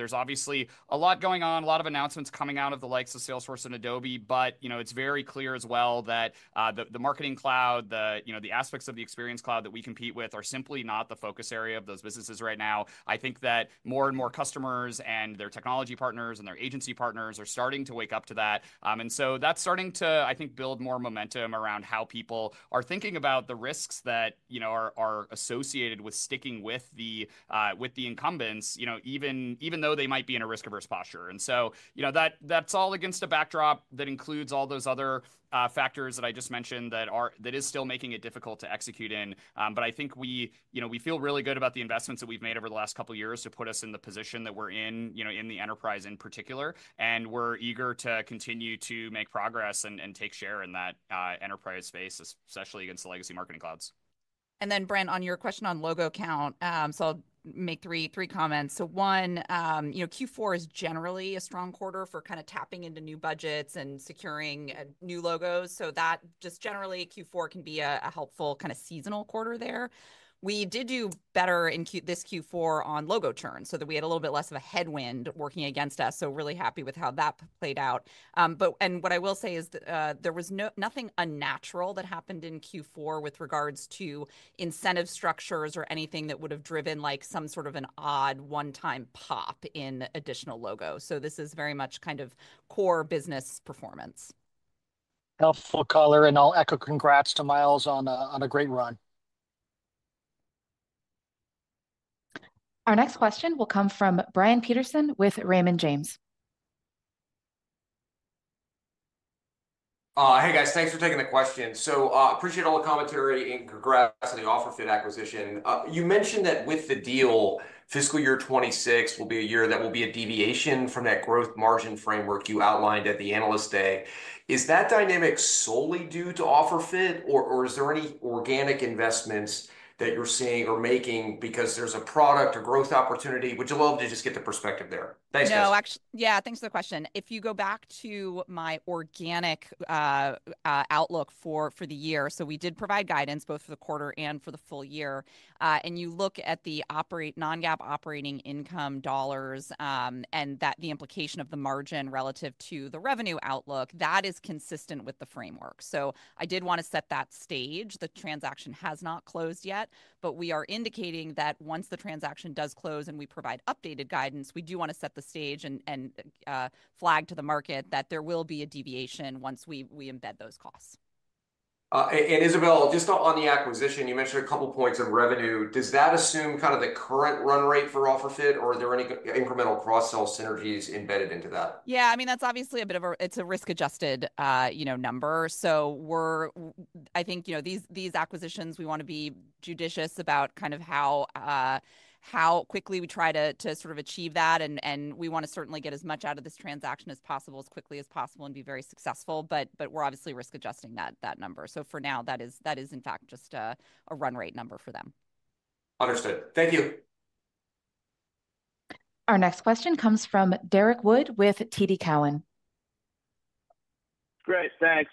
S3: There's obviously a lot going on, a lot of announcements coming out of the likes of Salesforce and Adobe, but it's very clear as well that the marketing cloud, the aspects of the Experience Cloud that we compete with are simply not the focus area of those businesses right now. I think that more and more customers and their technology partners and their agency partners are starting to wake up to that. That's starting to, I think, build more momentum around how people are thinking about the risks that are associated with sticking with the incumbents, even though they might be in a risk-averse posture. That's all against a backdrop that includes all those other factors that I just mentioned that is still making it difficult to execute in. I think we feel really good about the investments that we've made over the last couple of years to put us in the position that we're in, in the enterprise in particular. We're eager to continue to make progress and take share in that enterprise space, especially against the legacy marketing clouds.
S4: Brent, on your question on logo count, I'll make three comments. One, Q4 is generally a strong quarter for kind of tapping into new budgets and securing new logos. That just generally, Q4 can be a helpful kind of seasonal quarter there. We did do better this Q4 on logo churn, so we had a little bit less of a headwind working against us. Really happy with how that played out. What I will say is there was nothing unnatural that happened in Q4 with regards to incentive structures or anything that would have driven some sort of an odd one-time pop in additional logos. This is very much kind of core business performance.
S9: Helpful color. I'll echo congrats to Myles on a great run.
S1: Our next question will come from Brian Peterson with Raymond James.
S10: Hey, guys. Thanks for taking the question. I appreciate all the commentary and congrats on the OfferFit acquisition. You mentioned that with the deal, fiscal year 2026 will be a year that will be a deviation from that growth margin framework you outlined at the analyst day. Is that dynamic solely due to OfferFit, or is there any organic investments that you're seeing or making because there's a product or growth opportunity? Would love to just get the perspective there. Thanks, guys.
S4: Yeah, thanks for the question. If you go back to my organic outlook for the year, we did provide guidance both for the quarter and for the full year. You look at the non-GAAP operating income dollars and the implication of the margin relative to the revenue outlook, that is consistent with the framework. I did want to set that stage. The transaction has not closed yet, but we are indicating that once the transaction does close and we provide updated guidance, we do want to set the stage and flag to the market that there will be a deviation once we embed those costs.
S10: Isabelle, just on the acquisition, you mentioned a couple of points of revenue. Does that assume kind of the current run rate for OfferFit, or are there any incremental cross-sell synergies embedded into that?
S4: Yeah, I mean, that's obviously a bit of a risk-adjusted number. I think these acquisitions, we want to be judicious about kind of how quickly we try to sort of achieve that. We want to certainly get as much out of this transaction as possible, as quickly as possible, and be very successful. We're obviously risk-adjusting that number. For now, that is, in fact, just a run rate number for them.
S10: Understood. Thank you.
S1: Our next question comes from Derrick Wood with TD Cowen.
S11: Great. Thanks.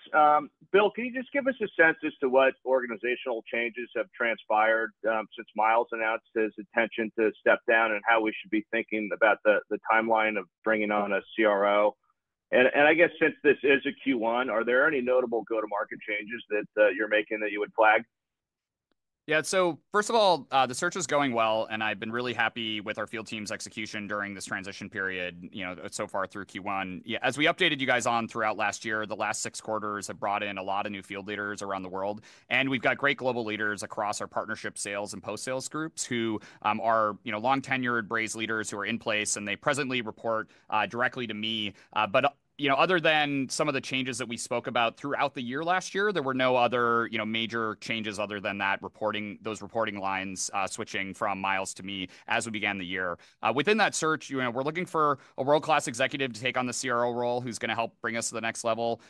S11: Bill, can you just give us a sense as to what organizational changes have transpired since Myles announced his intention to step down and how we should be thinking about the timeline of bringing on a CRO? I guess since this is a Q1, are there any notable go-to-market changes that you're making that you would flag?
S3: Yeah. First of all, the search is going well, and I've been really happy with our field team's execution during this transition period so far through Q1. As we updated you guys on throughout last year, the last six quarters have brought in a lot of new field leaders around the world. We've got great global leaders across our partnership sales and post-sales groups who are long-tenured Braze leaders who are in place, and they presently report directly to me. Other than some of the changes that we spoke about throughout the year last year, there were no other major changes other than those reporting lines switching from Myles to me as we began the year. Within that search, we're looking for a world-class executive to take on the CRO role who's going to help bring us to the next level.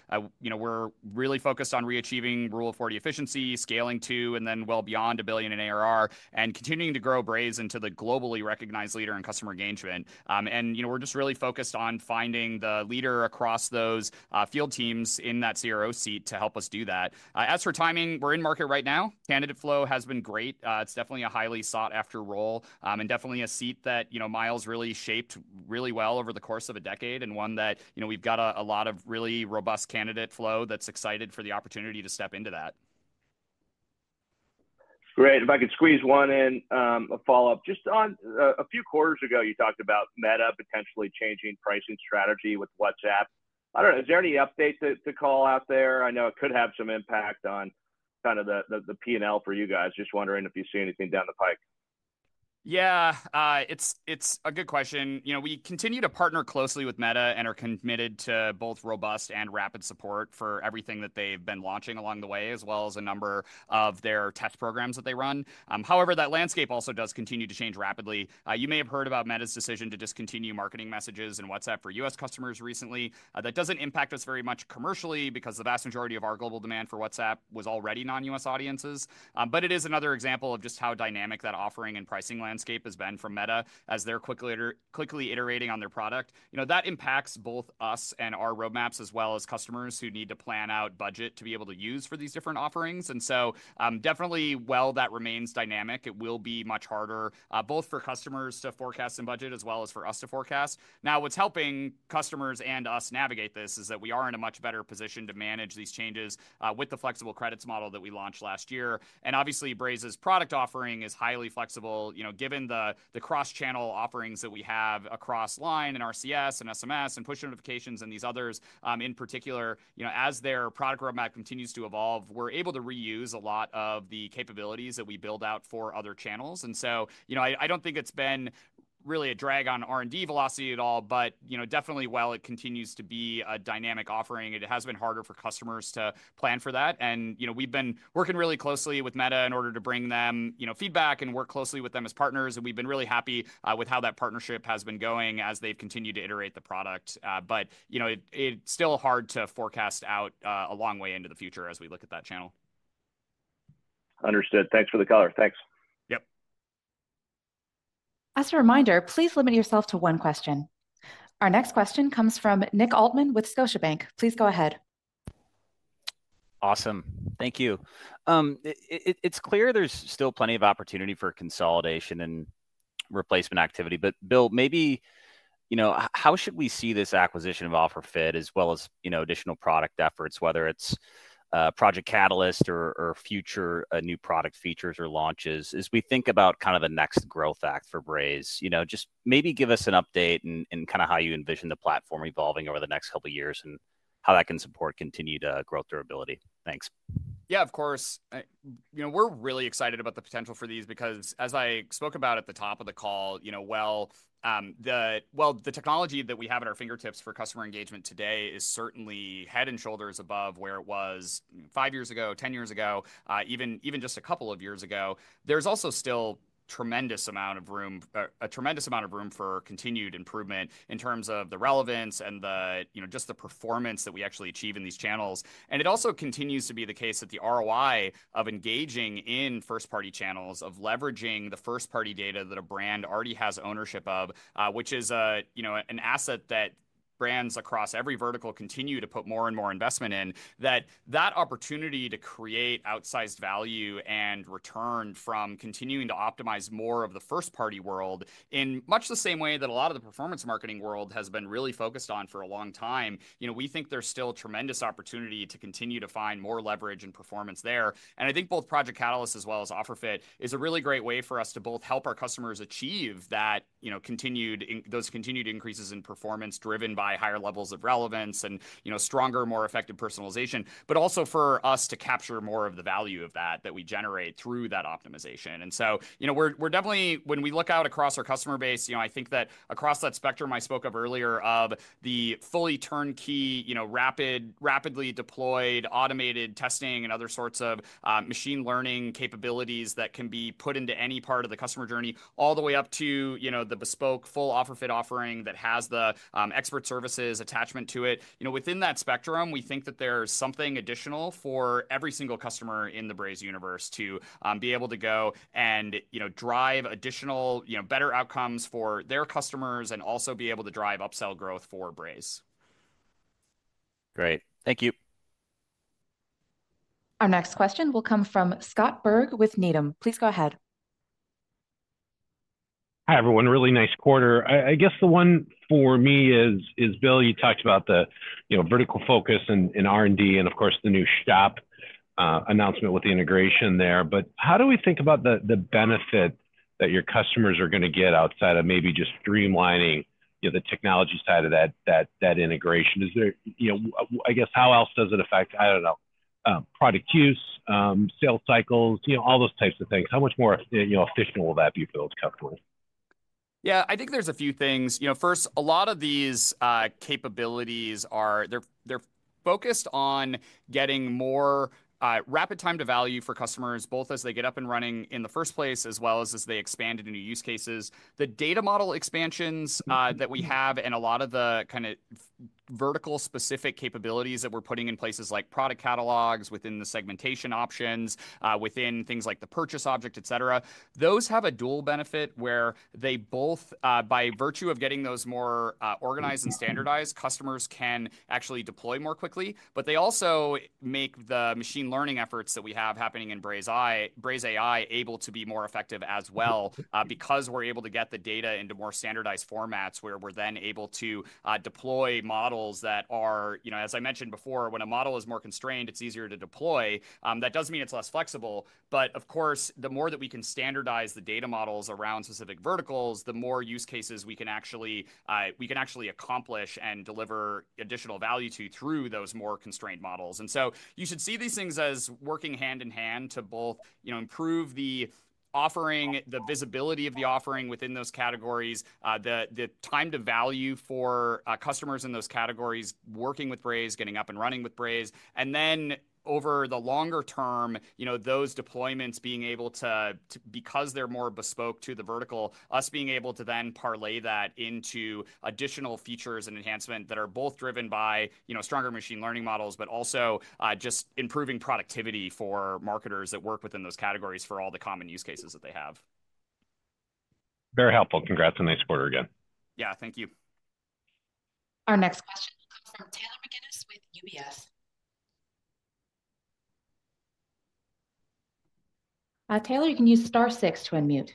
S3: We're really focused on reaching Rule of 40 efficiency, scaling to, and then well beyond a billion in ARR, and continuing to grow Braze into the globally recognized leader in customer engagement. We're just really focused on finding the leader across those field teams in that CRO seat to help us do that. As for timing, we're in market right now. Candidate flow has been great. It's definitely a highly sought-after role and definitely a seat that Myles really shaped really well over the course of a decade and one that we've got a lot of really robust candidate flow that's excited for the opportunity to step into that.
S11: Great. If I could squeeze one in, a follow-up. Just a few quarters ago, you talked about Meta potentially changing pricing strategy with WhatsApp. I don't know. Is there any update to call out there? I know it could have some impact on kind of the P&L for you guys. Just wondering if you see anything down the pike.
S3: Yeah, it's a good question. We continue to partner closely with Meta and are committed to both robust and rapid support for everything that they've been launching along the way, as well as a number of their test programs that they run. However, that landscape also does continue to change rapidly. You may have heard about Meta's decision to discontinue marketing messages in WhatsApp for U.S. customers recently. That doesn't impact us very much commercially because the vast majority of our global demand for WhatsApp was already non-U.S. audiences. It is another example of just how dynamic that offering and pricing landscape has been from Meta as they're quickly iterating on their product. That impacts both us and our roadmaps, as well as customers who need to plan out budget to be able to use for these different offerings. Definitely, while that remains dynamic, it will be much harder both for customers to forecast and budget, as well as for us to forecast. What's helping customers and us navigate this is that we are in a much better position to manage these changes with the flexible credits model that we launched last year. Obviously, Braze's product offering is highly flexible. Given the cross-channel offerings that we have across LINE and RCS and SMS and push notifications and these others, in particular, as their product roadmap continues to evolve, we're able to reuse a lot of the capabilities that we build out for other channels. I don't think it's been really a drag on R&D velocity at all, but definitely, while it continues to be a dynamic offering, it has been harder for customers to plan for that. We have been working really closely with Meta in order to bring them feedback and work closely with them as partners. We have been really happy with how that partnership has been going as they have continued to iterate the product. It is still hard to forecast out a long way into the future as we look at that channel.
S11: Understood. Thanks for the color. Thanks.
S3: Yep.
S1: As a reminder, please limit yourself to one question. Our next question comes from Nick Altmann with Scotiabank. Please go ahead.
S12: Awesome. Thank you. It's clear there's still plenty of opportunity for consolidation and replacement activity. Bill, maybe how should we see this acquisition of OfferFit as well as additional product efforts, whether it's Project Catalyst or future new product features or launches? As we think about kind of the next growth act for Braze, just maybe give us an update in kind of how you envision the platform evolving over the next couple of years and how that can support continued growth durability. Thanks.
S3: Yeah, of course. We're really excited about the potential for these because as I spoke about at the top of the call, while the technology that we have at our fingertips for customer engagement today is certainly head and shoulders above where it was five years ago, 10 years ago, even just a couple of years ago, there's also still a tremendous amount of room for continued improvement in terms of the relevance and just the performance that we actually achieve in these channels. It also continues to be the case that the ROI of engaging in first-party channels, of leveraging the first-party data that a brand already has ownership of, which is an asset that brands across every vertical continue to put more and more investment in, that that opportunity to create outsized value and return from continuing to optimize more of the first-party world in much the same way that a lot of the performance marketing world has been really focused on for a long time, we think there's still a tremendous opportunity to continue to find more leverage and performance there. I think both Project Catalyst as well as OfferFit is a really great way for us to both help our customers achieve those continued increases in performance driven by higher levels of relevance and stronger, more effective personalization, but also for us to capture more of the value of that that we generate through that optimization. We are definitely, when we look out across our customer base, I think that across that spectrum I spoke of earlier of the fully turnkey, rapidly deployed, automated testing, and other sorts of machine learning capabilities that can be put into any part of the customer journey all the way up to the bespoke full OfferFit offering that has the expert services attachment to it. Within that spectrum, we think that there's something additional for every single customer in the Braze universe to be able to go and drive additional, better outcomes for their customers and also be able to drive upsell growth for Braze.
S12: Great. Thank you.
S1: Our next question will come from Scott Berg with Needham. Please go ahead.
S13: Hi, everyone. Really nice quarter. I guess the one for me is, Bill, you talked about the vertical focus in R&D and, of course, the new shop announcement with the integration there. How do we think about the benefit that your customers are going to get outside of maybe just streamlining the technology side of that integration? I guess how else does it affect, I don't know, product use, sales cycles, all those types of things? How much more efficient will that be for those customers?
S3: Yeah, I think there's a few things. First, a lot of these capabilities, they're focused on getting more rapid time to value for customers, both as they get up and running in the first place as well as as they expand into new use cases. The data model expansions that we have and a lot of the kind of vertical-specific capabilities that we're putting in places like product catalogs within the segmentation options, within things like the purchase object, et cetera, those have a dual benefit where they both, by virtue of getting those more organized and standardized, customers can actually deploy more quickly. They also make the machine learning efforts that we have happening in BrazeAI able to be more effective as well because we're able to get the data into more standardized formats where we're then able to deploy models that are, as I mentioned before, when a model is more constrained, it's easier to deploy. That does mean it's less flexible. Of course, the more that we can standardize the data models around specific verticals, the more use cases we can actually accomplish and deliver additional value to through those more constrained models. You should see these things as working hand in hand to both improve the offering, the visibility of the offering within those categories, the time to value for customers in those categories working with Braze, getting up and running with Braze. Over the longer term, those deployments being able to, because they're more bespoke to the vertical, us being able to then parlay that into additional features and enhancement that are both driven by stronger machine learning models, but also just improving productivity for marketers that work within those categories for all the common use cases that they have.
S13: Very helpful. Congrats on the next quarter again.
S3: Yeah, thank you.
S1: Our next question will come from Taylor McGinnis with UBS. Taylor, you can use star six to unmute.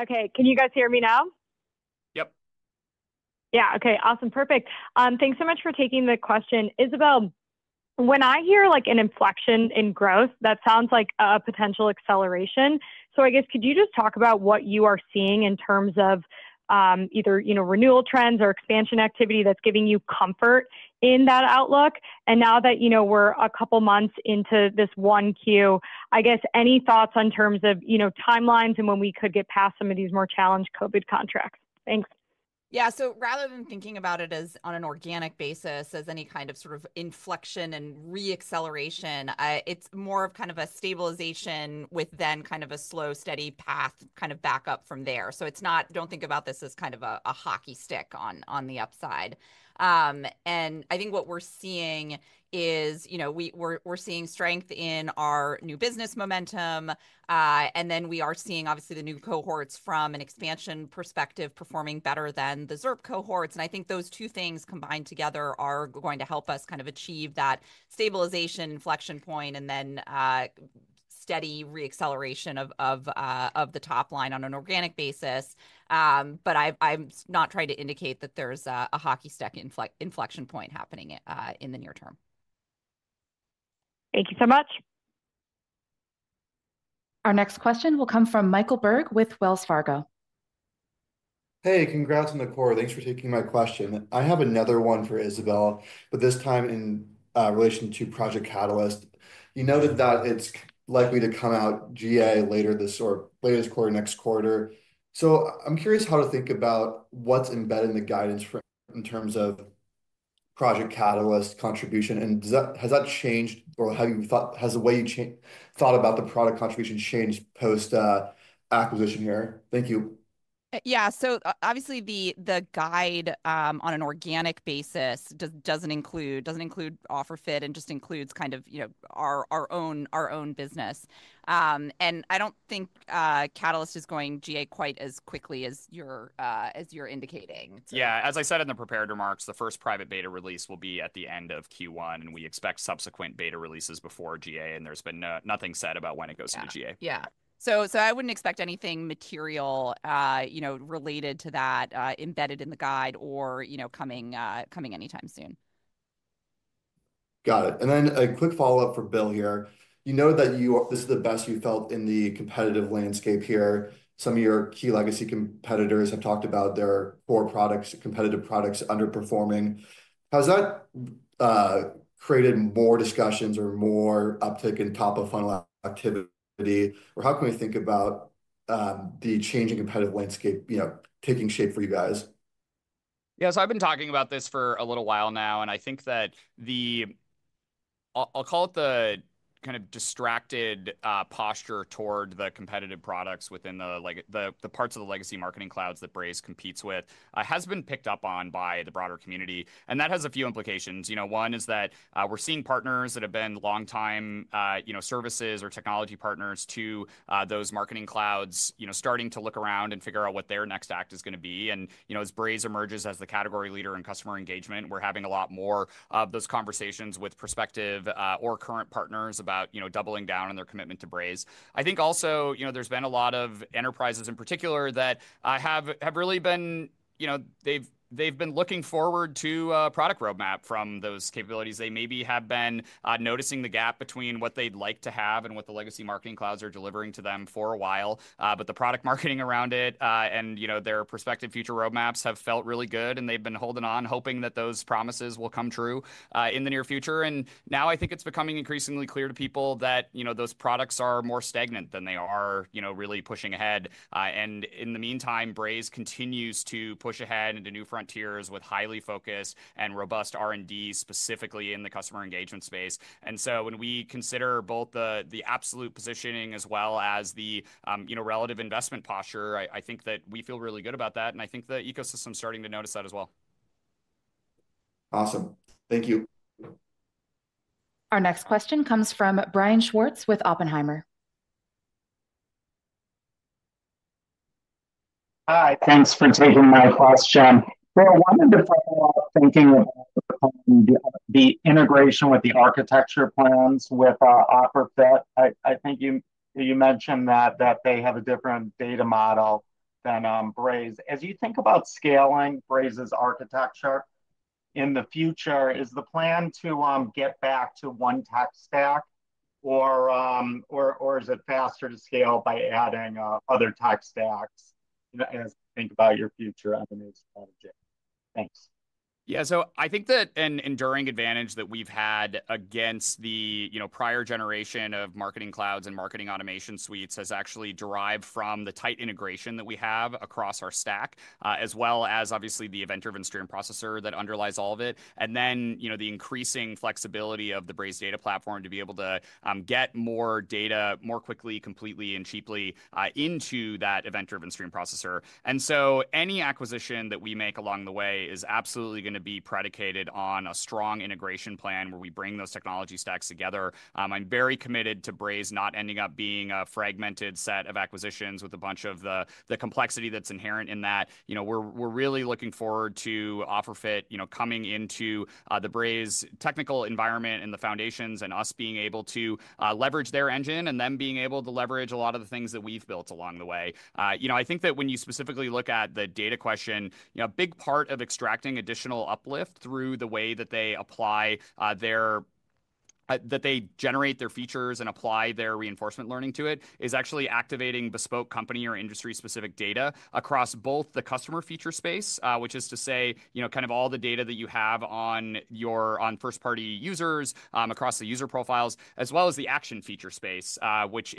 S14: Okay. Can you guys hear me now?
S3: Yep.
S14: Yeah. Okay. Awesome. Perfect. Thanks so much for taking the question. Isabelle, when I hear an inflection in growth, that sounds like a potential acceleration. I guess could you just talk about what you are seeing in terms of either renewal trends or expansion activity that's giving you comfort in that outlook? Now that we're a couple of months into this 1Q, I guess any thoughts in terms of timelines and when we could get past some of these more challenged COVID contracts? Thanks.
S4: Yeah. Rather than thinking about it on an organic basis as any kind of sort of inflection and re-acceleration, it's more of kind of a stabilization with then kind of a slow, steady path kind of backup from there. Do not think about this as kind of a hockey stick on the upside. I think what we're seeing is we're seeing strength in our new business momentum. We are seeing, obviously, the new cohorts from an expansion perspective performing better than the ZIRP cohorts. I think those two things combined together are going to help us kind of achieve that stabilization inflection point and then steady re-acceleration of the top line on an organic basis. I'm not trying to indicate that there's a hockey stick inflection point happening in the near term.
S14: Thank you so much.
S1: Our next question will come from Michael Berg with Wells Fargo.
S15: Hey, congrats on the quarter. Thanks for taking my question. I have another one for Isabelle, but this time in relation to Project Catalyst. You noted that it's likely to come out GA later this quarter, next quarter. I'm curious how to think about what's embedded in the guidance framework in terms of Project Catalyst contribution. Has that changed or has the way you thought about the product contribution changed post-acquisition here? Thank you.
S4: Yeah. Obviously, the guide on an organic basis does not include OfferFit and just includes kind of our own business. I do not think Catalyst is going GA quite as quickly as you are indicating.
S3: Yeah. As I said in the prepared remarks, the first private beta release will be at the end of Q1, and we expect subsequent beta releases before GA. There has been nothing said about when it goes into GA.
S4: Yeah. I wouldn't expect anything material related to that embedded in the guide or coming anytime soon.
S15: Got it. A quick follow-up for Bill here. You know that this is the best you felt in the competitive landscape here. Some of your key legacy competitors have talked about their core products, competitive products underperforming. Has that created more discussions or more uptake in top-of-funnel activity? How can we think about the changing competitive landscape taking shape for you guys?
S3: Yeah. I've been talking about this for a little while now. I think that the, I'll call it the kind of distracted posture toward the competitive products within the parts of the legacy marketing clouds that Braze competes with has been picked up on by the broader community. That has a few implications. One is that we're seeing partners that have been long-time services or technology partners to those marketing clouds starting to look around and figure out what their next act is going to be. As Braze emerges as the category leader in customer engagement, we're having a lot more of those conversations with prospective or current partners about doubling down on their commitment to Braze. I think also there's been a lot of enterprises in particular that have really been looking forward to a product roadmap from those capabilities. They maybe have been noticing the gap between what they'd like to have and what the legacy marketing clouds are delivering to them for a while. The product marketing around it and their prospective future roadmaps have felt really good, and they've been holding on, hoping that those promises will come true in the near future. Now I think it's becoming increasingly clear to people that those products are more stagnant than they are really pushing ahead. In the meantime, Braze continues to push ahead into new frontiers with highly focused and robust R&D, specifically in the customer engagement space. When we consider both the absolute positioning as well as the relative investment posture, I think that we feel really good about that. I think the ecosystem's starting to notice that as well.
S15: Awesome. Thank you.
S1: Our next question comes from Brian Schwartz with Oppenheimer.
S16: Hi. Thanks for taking my question. Bill, wanted to follow up thinking about the integration with the architecture plans with OfferFit. I think you mentioned that they have a different data model than Braze. As you think about scaling Braze's architecture in the future, is the plan to get back to one tech stack, or is it faster to scale by adding other tech stacks as you think about your future avenues strategy? Thanks.
S3: Yeah. I think that an enduring advantage that we've had against the prior generation of marketing clouds and marketing automation suites has actually derived from the tight integration that we have across our stack, as well as obviously the event-driven stream processor that underlies all of it, and then the increasing flexibility of the Braze Data Platform to be able to get more data more quickly, completely, and cheaply into that event-driven stream processor. Any acquisition that we make along the way is absolutely going to be predicated on a strong integration plan where we bring those technology stacks together. I'm very committed to Braze not ending up being a fragmented set of acquisitions with a bunch of the complexity that's inherent in that. We're really looking forward to OfferFit coming into the Braze technical environment and the foundations and us being able to leverage their engine and them being able to leverage a lot of the things that we've built along the way. I think that when you specifically look at the data question, a big part of extracting additional uplift through the way that they generate their features and apply their reinforcement learning to it is actually activating bespoke company or industry-specific data across both the customer feature space, which is to say kind of all the data that you have on first-party users across the user profiles, as well as the action feature space, which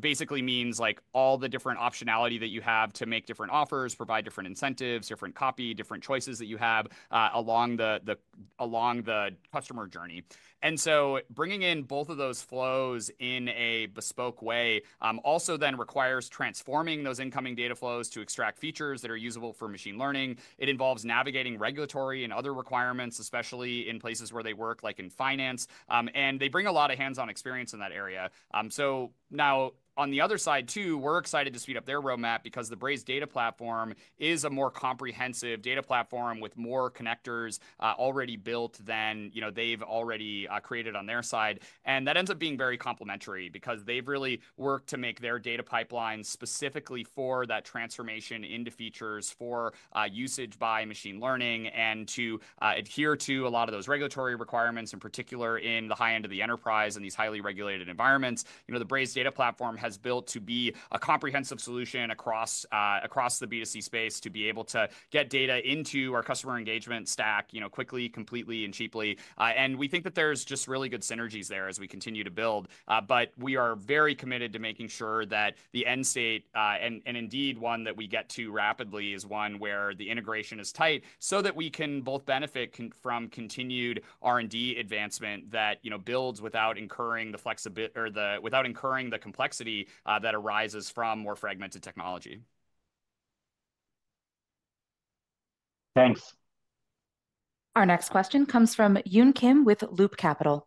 S3: basically means all the different optionality that you have to make different offers, provide different incentives, different copy, different choices that you have along the customer journey. Bringing in both of those flows in a bespoke way also then requires transforming those incoming data flows to extract features that are usable for machine learning. It involves navigating regulatory and other requirements, especially in places where they work, like in finance. They bring a lot of hands-on experience in that area. Now, on the other side, too, we're excited to speed up their roadmap because the Braze Data Platform is a more comprehensive data platform with more connectors already built than they've already created on their side. That ends up being very complementary because they've really worked to make their data pipeline specifically for that transformation into features for usage by machine learning and to adhere to a lot of those regulatory requirements, in particular in the high end of the enterprise and these highly regulated environments. The Braze Data Platform has built to be a comprehensive solution across the B2C space to be able to get data into our customer engagement stack quickly, completely, and cheaply. We think that there's just really good synergies there as we continue to build. We are very committed to making sure that the end state, and indeed one that we get to rapidly, is one where the integration is tight so that we can both benefit from continued R&D advancement that builds without incurring the complexity that arises from more fragmented technology.
S16: Thanks.
S1: Our next question comes from Yun Kim with Loop Capital.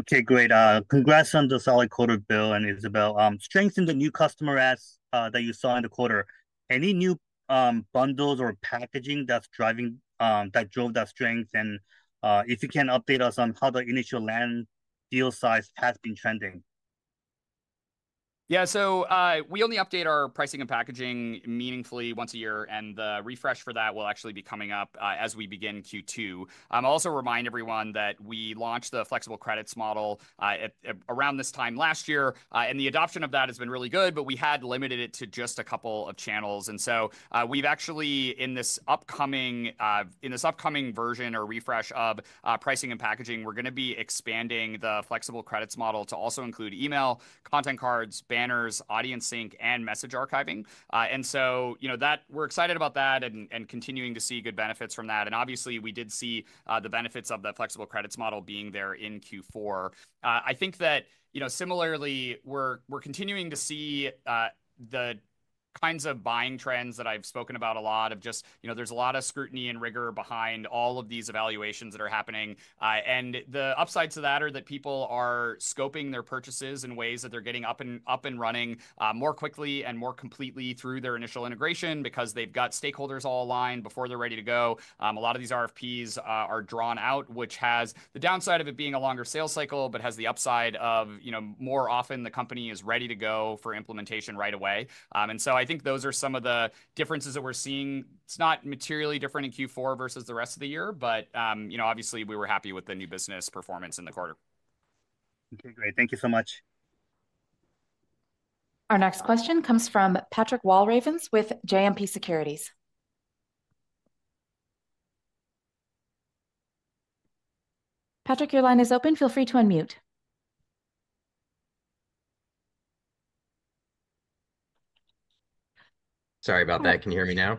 S17: Okay. Great. Congrats on the solid quarter, Bill and Isabelle. Strength in the new customer ads that you saw in the quarter. Any new bundles or packaging that drove that strength? If you can update us on how the initial land deal size has been trending.
S3: Yeah. We only update our pricing and packaging meaningfully once a year. The refresh for that will actually be coming up as we begin Q2. I'll also remind everyone that we launched the flexible credits model around this time last year. The adoption of that has been really good, but we had limited it to just a couple of channels. In this upcoming version or refresh of pricing and packaging, we're going to be expanding the flexible credits model to also include email, Content Cards, Banners, Audience Sync, and Message Archiving. We're excited about that and continuing to see good benefits from that. Obviously, we did see the benefits of that flexible credits model being there in Q4. I think that similarly, we're continuing to see the kinds of buying trends that I've spoken about a lot of just there's a lot of scrutiny and rigor behind all of these evaluations that are happening. The upsides to that are that people are scoping their purchases in ways that they're getting up and running more quickly and more completely through their initial integration because they've got stakeholders all aligned before they're ready to go. A lot of these RFPs are drawn out, which has the downside of it being a longer sales cycle, but has the upside of more often the company is ready to go for implementation right away. I think those are some of the differences that we're seeing. It's not materially different in Q4 versus the rest of the year, but obviously, we were happy with the new business performance in the quarter.
S17: Okay. Great. Thank you so much.
S1: Our next question comes from Patrick Walravens with JMP Securities. Patrick, your line is open. Feel free to unmute.
S18: Sorry about that. Can you hear me now?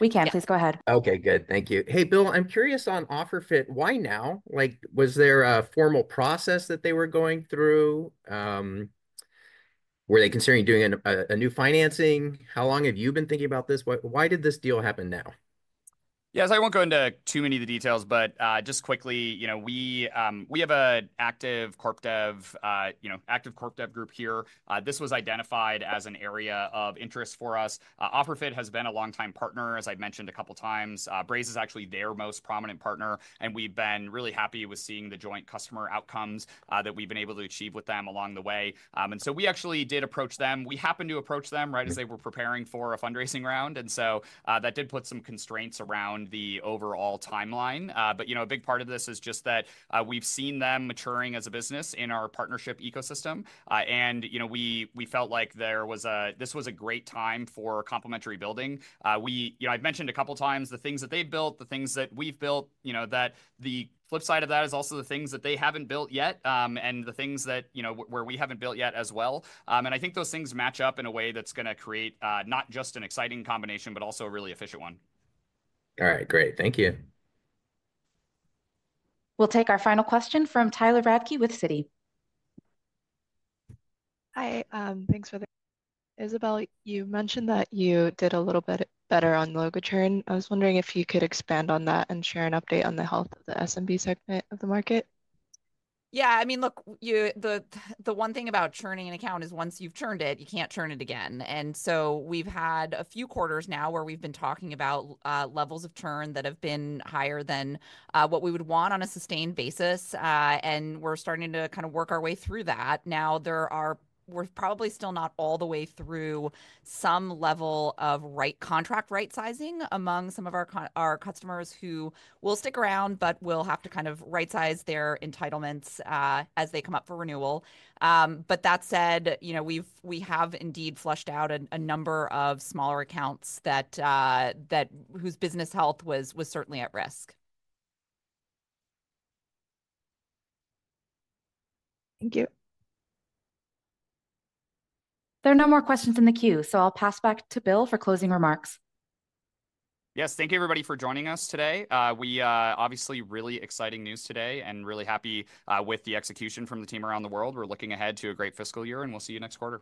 S1: We can. Please go ahead.
S18: Okay. Good. Thank you. Hey, Bill, I'm curious on OfferFit. Why now? Was there a formal process that they were going through? Were they considering doing a new financing? How long have you been thinking about this? Why did this deal happen now?
S3: Yeah. I will not go into too many of the details, but just quickly, we have an active corp dev group here. This was identified as an area of interest for us. OfferFit has been a long-time partner, as I have mentioned a couple of times. Braze is actually their most prominent partner. We have been really happy with seeing the joint customer outcomes that we have been able to achieve with them along the way. We actually did approach them. We happened to approach them right as they were preparing for a fundraising round. That did put some constraints around the overall timeline. A big part of this is just that we have seen them maturing as a business in our partnership ecosystem. We felt like this was a great time for complementary building. I've mentioned a couple of times the things that they've built, the things that we've built, that the flip side of that is also the things that they haven't built yet and the things where we haven't built yet as well. I think those things match up in a way that's going to create not just an exciting combination, but also a really efficient one.
S18: All right. Great. Thank you.
S1: We'll take our final question from Tyler Radke with Citi. Hi. Thanks for the. Isabelle, you mentioned that you did a little bit better on logo churn. I was wondering if you could expand on that and share an update on the health of the SMB segment of the market.
S4: Yeah. I mean, look, the one thing about churning an account is once you've churned it, you can't churn it again. We've had a few quarters now where we've been talking about levels of churn that have been higher than what we would want on a sustained basis. We're starting to kind of work our way through that. Now, we're probably still not all the way through some level of contract rightsizing among some of our customers who will stick around, but will have to kind of right size their entitlements as they come up for renewal. That said, we have indeed flushed out a number of smaller accounts whose business health was certainly at risk. Thank you.
S1: There are no more questions in the queue, so I'll pass back to Bill for closing remarks.
S3: Yes. Thank you, everybody, for joining us today. We obviously have really exciting news today and really happy with the execution from the team around the world. We're looking ahead to a great fiscal year, and we'll see you next quarter.